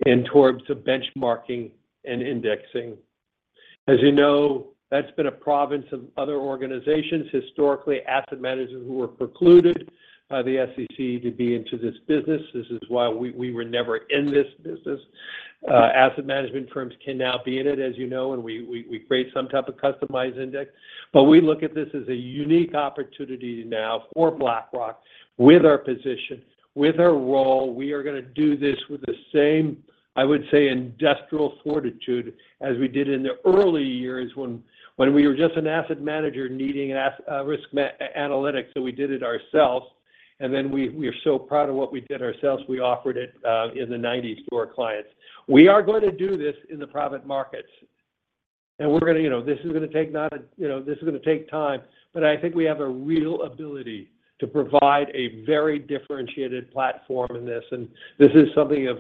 into the benchmarking and indexing. As you know, that's been a province of other organizations. Historically, asset managers who were precluded by the SEC from being into this business. This is why we were never in this business. Asset management firms can now be in it, as you know, and we create some type of customized index. But we look at this as a unique opportunity now for BlackRock. With our position, with our role, we are gonna do this with the same, I would say, industrial fortitude as we did in the early years when we were just an asset manager needing risk management analytics, so we did it ourselves. And then we are so proud of what we did ourselves, we offered it in the '90s to our clients. We are going to do this in the private markets, and we're gonna, you know... This is gonna take not a, you know, this is gonna take time, but I think we have a real ability to provide a very differentiated platform in this. This is something of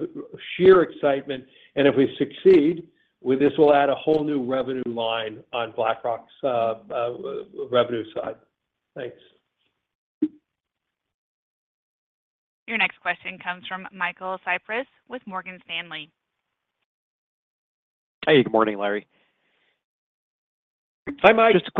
sheer excitement, and if we succeed with this, we'll add a whole new revenue line on BlackRock's revenue side. Thanks. Your next question comes from Michael Cyprys with Morgan Stanley. Hey, good morning, Larry. Hi, Mike. Just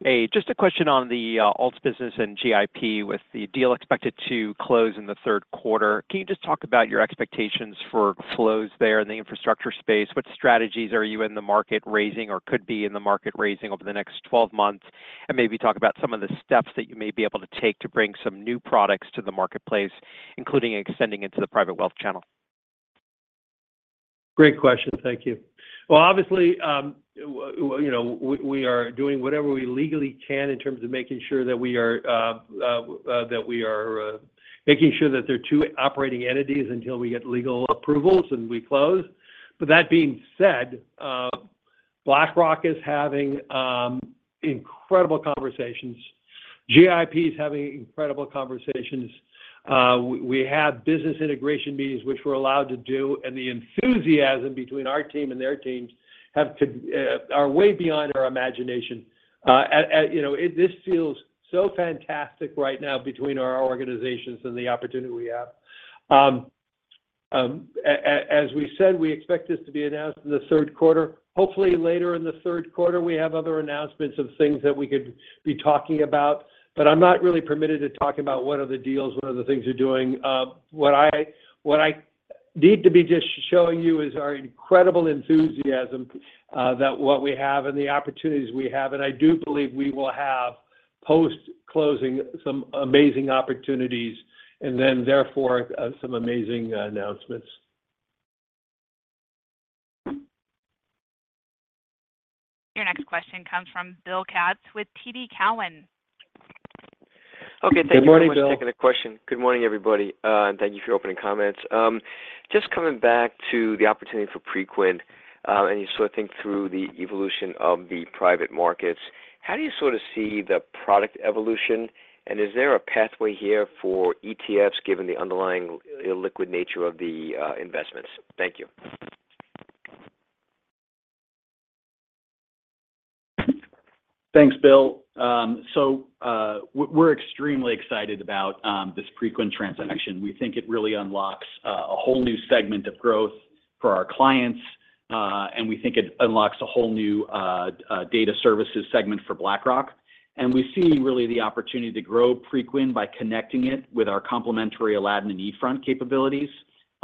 a question. Hey, just a question on the alts business and GIP with the deal expected to close in the third quarter. Can you just talk about your expectations for flows there in the infrastructure space? What strategies are you in the market raising or could be in the market raising over the next 12 months? And maybe talk about some of the steps that you may be able to take to bring some new products to the marketplace, including extending into the private wealth channel. Great question. Thank you. Well, obviously, you know, we are doing whatever we legally can in terms of making sure that we are making sure that there are two operating entities until we get legal approvals and we close. But that being said, BlackRock is having incredible conversations. GIP is having incredible conversations. We have business integration meetings, which we're allowed to do, and the enthusiasm between our team and their teams are way beyond our imagination. You know, this feels so fantastic right now between our organizations and the opportunity we have. As we said, we expect this to be announced in the third quarter. Hopefully, later in the third quarter, we have other announcements of things that we could be talking about, but I'm not really permitted to talk about what other deals, what other things we're doing. What I need to be just showing you is our incredible enthusiasm that what we have and the opportunities we have. And I do believe we will have, post-closing, some amazing opportunities, and then therefore, some amazing announcements. Your next question comes from Bill Katz with TD Cowen. Okay, thank you very much- Good morning, Bill. for taking the question. Good morning, everybody, and thank you for your opening comments. Just coming back to the opportunity for Preqin, and you sort of think through the evolution of the private markets, how do you sort of see the product evolution, and is there a pathway here for ETFs, given the underlying illiquid nature of the investments? Thank you. Thanks, Bill. We're extremely excited about this Preqin transaction. We think it really unlocks a whole new segment of growth for our clients, and we think it unlocks a whole new data services segment for BlackRock. We see really the opportunity to grow Preqin by connecting it with our complementary Aladdin and eFront capabilities.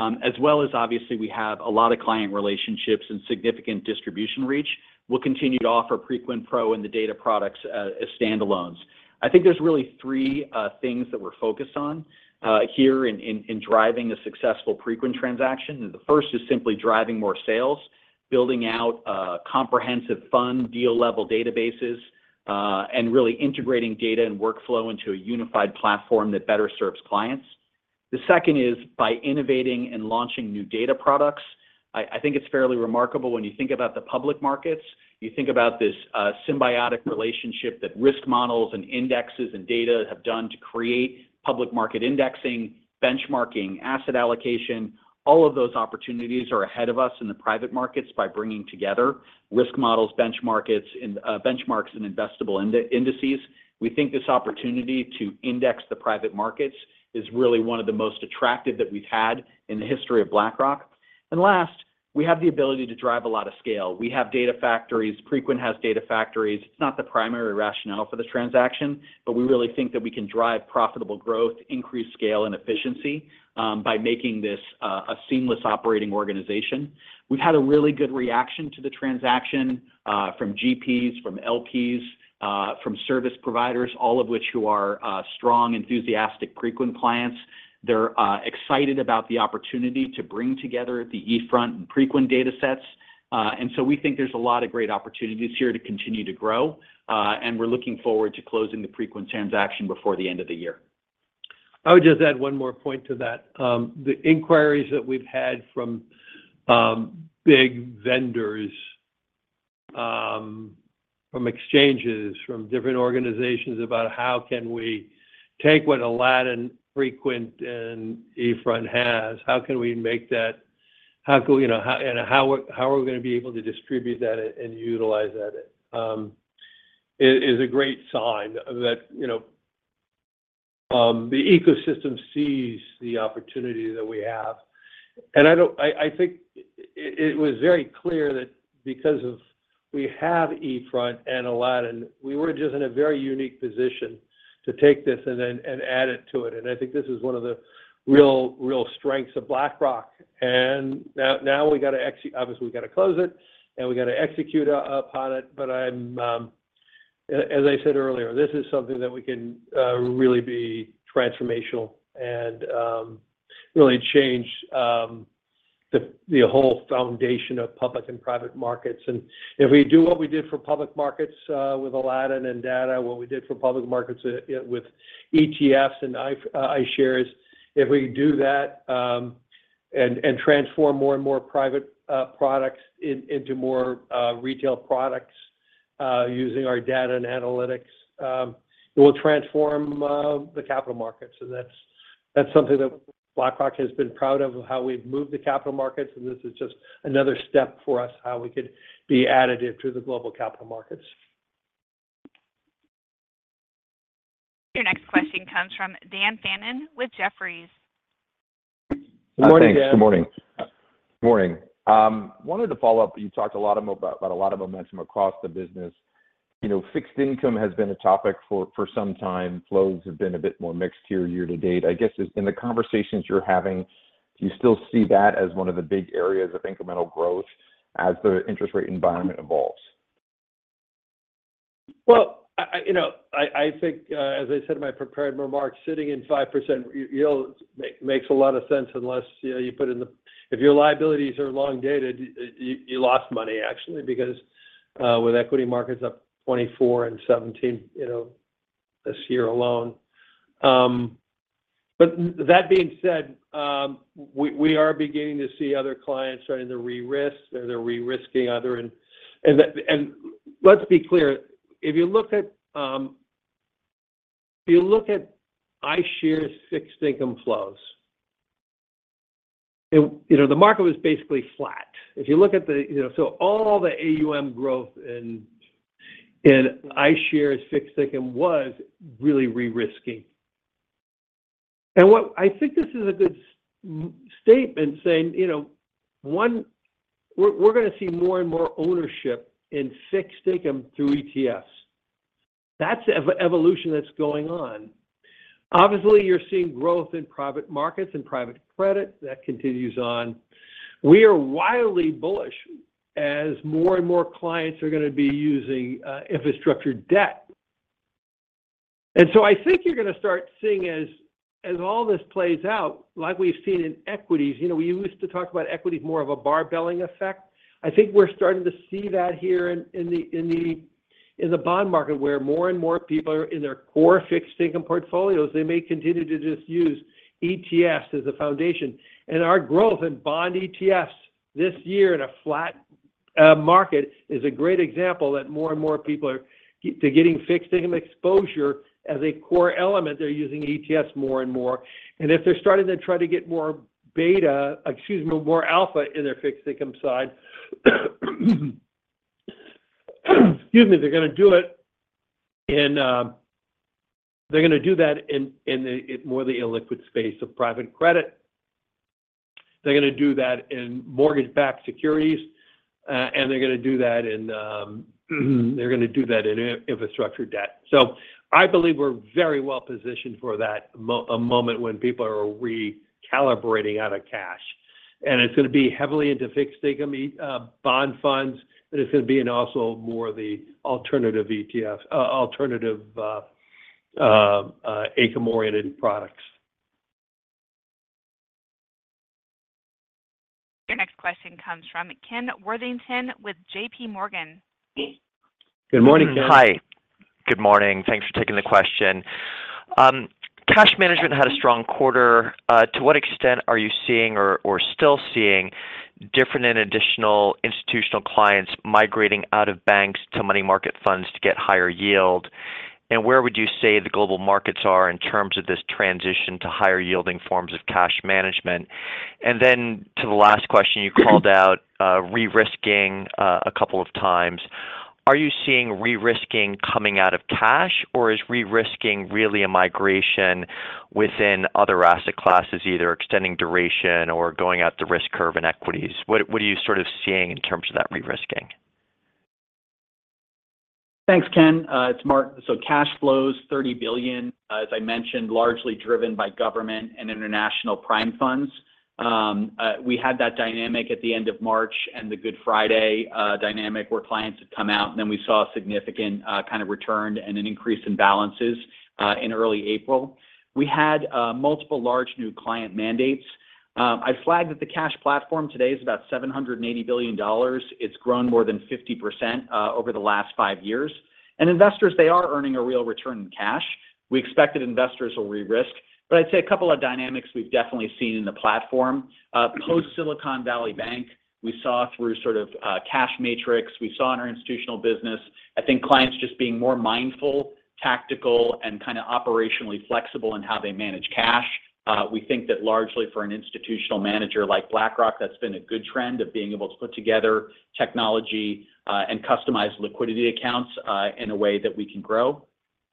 As well as obviously, we have a lot of client relationships and significant distribution reach. We'll continue to offer Preqin Pro and the data products as standalones. I think there's really three things that we're focused on here in driving a successful Preqin transaction. The first is simply driving more sales, building out comprehensive fund deal-level databases, and really integrating data and workflow into a unified platform that better serves clients. The second is by innovating and launching new data products. I, I think it's fairly remarkable when you think about the public markets, you think about this symbiotic relationship that risk models and indexes and data have done to create public market indexing, benchmarking, asset allocation. All of those opportunities are ahead of us in the private markets by bringing together risk models, benchmarks, and benchmarks and investable indices. We think this opportunity to index the private markets is really one of the most attractive that we've had in the history of BlackRock. And last, we have the ability to drive a lot of scale. We have data factories. Preqin has data factories. It's not the primary rationale for the transaction, but we really think that we can drive profitable growth, increase scale, and efficiency by making this a seamless operating organization. We've had a really good reaction to the transaction, from GPs, from LPs, from service providers, all of which who are, strong, enthusiastic Preqin clients. They're excited about the opportunity to bring together the eFront and Preqin datasets. And so we think there's a lot of great opportunities here to continue to grow, and we're looking forward to closing the Preqin transaction before the end of the year. I would just add one more point to that. The inquiries that we've had from big vendors, from exchanges, from different organizations about how can we take what Aladdin, Preqin, and eFront has, how can we make that - how can, you know, how, and how are, how are we gonna be able to distribute that and, and utilize that? It is a great sign that, you know, the ecosystem sees the opportunity that we have. And I don't - I, I think it, it was very clear that because of we have eFront and Aladdin, we were just in a very unique position to take this and then, and add it to it. And I think this is one of the real, real strengths of BlackRock. And now, now we gotta ex - obviously, we gotta close it, and we gotta execute upon it. But I'm, as I said earlier, this is something that we can really be transformational and really change the whole foundation of public and private markets. And if we do what we did for public markets with Aladdin and data, what we did for public markets with ETFs and iShares, if we do that, and transform more and more private products into more retail products using our data and analytics, it will transform the capital markets. So that's something that BlackRock has been proud of, how we've moved the capital markets, and this is just another step for us, how we could be additive to the global capital markets. Your next question comes from Dan Fannon with Jefferies. Good morning, Dan. Thanks. Good morning. Good morning. Wanted to follow up. You talked a lot about a lot of momentum across the business. You know, fixed income has been a topic for some time. Flows have been a bit more mixed here year to date. I guess, in the conversations you're having, do you still see that as one of the big areas of incremental growth as the interest rate environment evolves? Well, you know, I think, as I said in my prepared remarks, sitting in 5% yield makes a lot of sense unless, you know, you put in the-- if your liabilities are long dated, you lost money, actually, because with equity markets up 24% and 17%, you know, this year alone. But that being said, we are beginning to see other clients starting to re-risk or they're re-risking other... And let's be clear, if you look at iShares fixed income flows, you know, the market was basically flat. If you look at the, you know... So all the AUM growth in iShares fixed income was really re-risking. I think this is a good statement saying, you know, one, we're gonna see more and more ownership in fixed income through ETFs. That's the evolution that's going on. Obviously, you're seeing growth in private markets and private credit. That continues on. We are wildly bullish as more and more clients are gonna be using infrastructure debt. And so I think you're gonna start seeing as all this plays out, like we've seen in equities, you know, we used to talk about equities more of a barbelling effect. I think we're starting to see that here in the bond market, where more and more people are in their core fixed income portfolios. They may continue to just use ETFs as a foundation. And our growth in bond ETFs this year in a flat market is a great example that more and more people are getting fixed income exposure as a core element. They're using ETFs more and more. And if they're starting to try to get more beta, excuse me, more alpha in their fixed income side, excuse me, they're gonna do it in, they're gonna do that in the more illiquid space of private credit. They're gonna do that in mortgage-backed securities, and they're gonna do that in infrastructure debt. So I believe we're very well positioned for that moment when people are recalibrating out of cash. And it's gonna be heavily into fixed income, bond funds, but it's gonna be in also more of the alternative ETFs, alternative income-oriented products. Your next question comes from Ken Worthington with JPMorgan. Good morning, Ken. Hi. Good morning. Thanks for taking the question. Cash management had a strong quarter. To what extent are you seeing or still seeing different and additional institutional clients migrating out of banks to money market funds to get higher yield? And where would you say the global markets are in terms of this transition to higher-yielding forms of cash management? And then to the last question, you called out re-risking a couple of times. Are you seeing re-risking coming out of cash, or is re-risking really a migration within other asset classes, either extending duration or going out the risk curve in equities? What are you sort of seeing in terms of that re-risking? Thanks, Ken. It's Martin. So cash flows, $30 billion, as I mentioned, largely driven by government and international prime funds. We had that dynamic at the end of March and the Good Friday dynamic, where clients had come out, and then we saw a significant kind of return and an increase in balances in early April. We had multiple large new client mandates. I flagged that the cash platform today is about $780 billion. It's grown more than 50% over the last 5 years. Investors, they are earning a real return in cash. We expect that investors will re-risk. But I'd say a couple of dynamics we've definitely seen in the platform post Silicon Valley Bank. We saw through sort of cash matrix. We saw in our institutional business, I think clients just being more mindful, tactical, and kind of operationally flexible in how they manage cash. We think that largely for an institutional manager like BlackRock, that's been a good trend of being able to put together technology and customize liquidity accounts in a way that we can grow.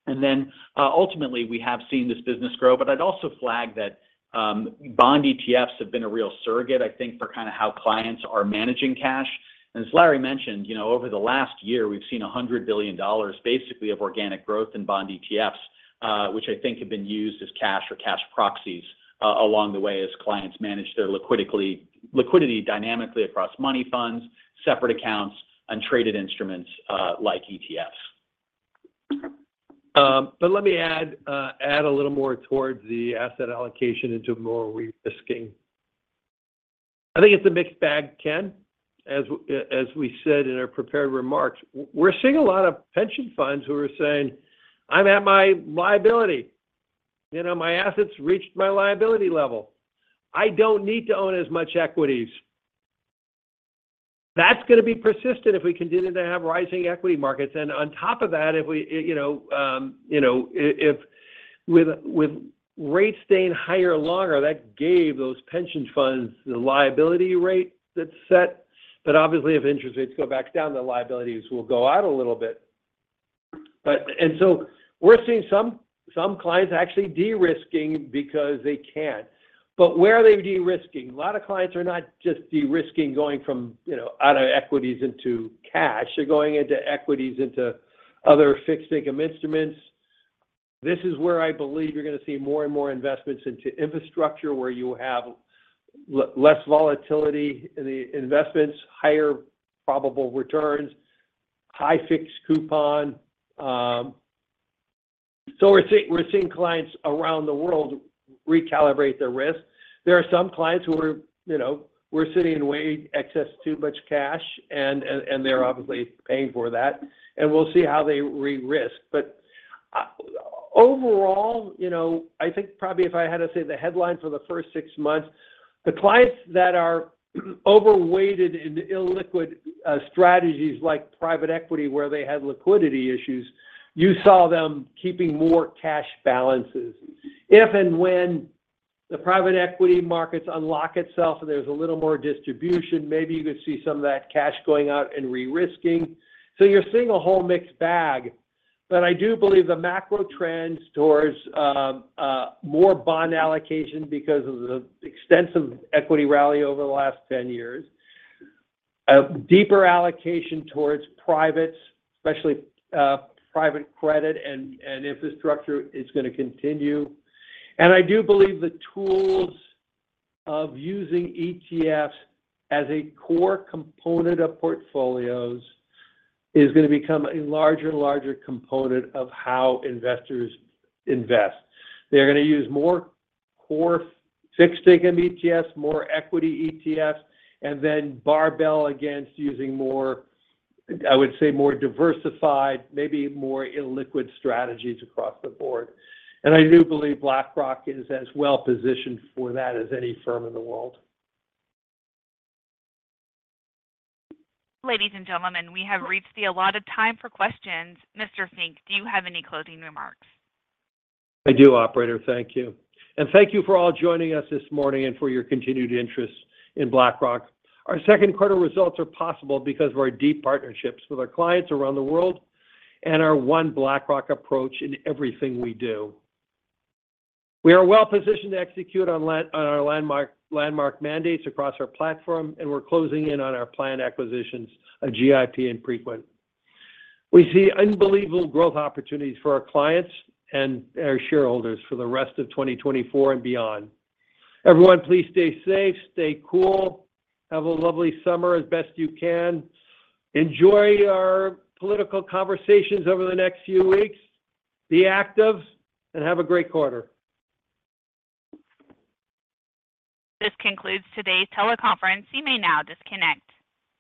And then, ultimately, we have seen this business grow, but I'd also flag that bond ETFs have been a real surrogate, I think, for kind of how clients are managing cash. And as Larry mentioned, you know, over the last year, we've seen $100 billion basically of organic growth in bond ETFs, which I think have been used as cash or cash proxies along the way as clients manage their liquidity dynamically across money funds, separate accounts, and traded instruments like ETFs. But let me add a little more towards the asset allocation into more re-risking. I think it's a mixed bag, Ken. As we said in our prepared remarks, we're seeing a lot of pension funds who are saying, "I'm at my liability. You know, my assets reached my liability level. I don't need to own as much equities." That's gonna be persistent if we continue to have rising equity markets, and on top of that, you know, if with rates staying higher longer, that gave those pension funds the liability rate that's set, but obviously, if interest rates go back down, the liabilities will go out a little bit. But so we're seeing some clients actually de-risking because they can. But where are they de-risking? A lot of clients are not just de-risking, going from, you know, out of equities into cash. They're going into equities, into other fixed income instruments. This is where I believe you're gonna see more and more investments into infrastructure, where you have less volatility in the investments, higher probable returns, high fixed coupon. So we're seeing clients around the world recalibrate their risk. There are some clients who are, you know, we're sitting in way excess too much cash, and they're obviously paying for that, and we'll see how they re-risk. But overall, you know, I think probably if I had to say the headline for the first six months, the clients that are overweighted in illiquid strategies like private equity, where they had liquidity issues, you saw them keeping more cash balances. If and when the private equity markets unlock itself, and there's a little more distribution, maybe you could see some of that cash going out and re-risking. So you're seeing a whole mixed bag, but I do believe the macro trends towards more bond allocation because of the extensive equity rally over the last 10 years. A deeper allocation towards privates, especially private credit and infrastructure, is gonna continue. And I do believe the tools of using ETFs as a core component of portfolios is gonna become a larger and larger component of how investors invest. They're gonna use more core fixed income ETFs, more equity ETFs, and then barbell against using more, I would say, more diversified, maybe more illiquid strategies across the board. And I do believe BlackRock is as well-positioned for that as any firm in the world. Ladies and gentlemen, we have reached the allotted time for questions. Mr. Fink, do you have any closing remarks? I do, operator. Thank you. Thank you for all joining us this morning and for your continued interest in BlackRock. Our second quarter results are possible because of our deep partnerships with our clients around the world and our One BlackRock approach in everything we do. We are well positioned to execute on our landmark, landmark mandates across our platform, and we're closing in on our planned acquisitions of GIP and Preqin. We see unbelievable growth opportunities for our clients and our shareholders for the rest of 2024 and beyond. Everyone, please stay safe, stay cool, have a lovely summer as best you can. Enjoy our political conversations over the next few weeks. Be active, and have a great quarter. This concludes today's teleconference. You may now disconnect.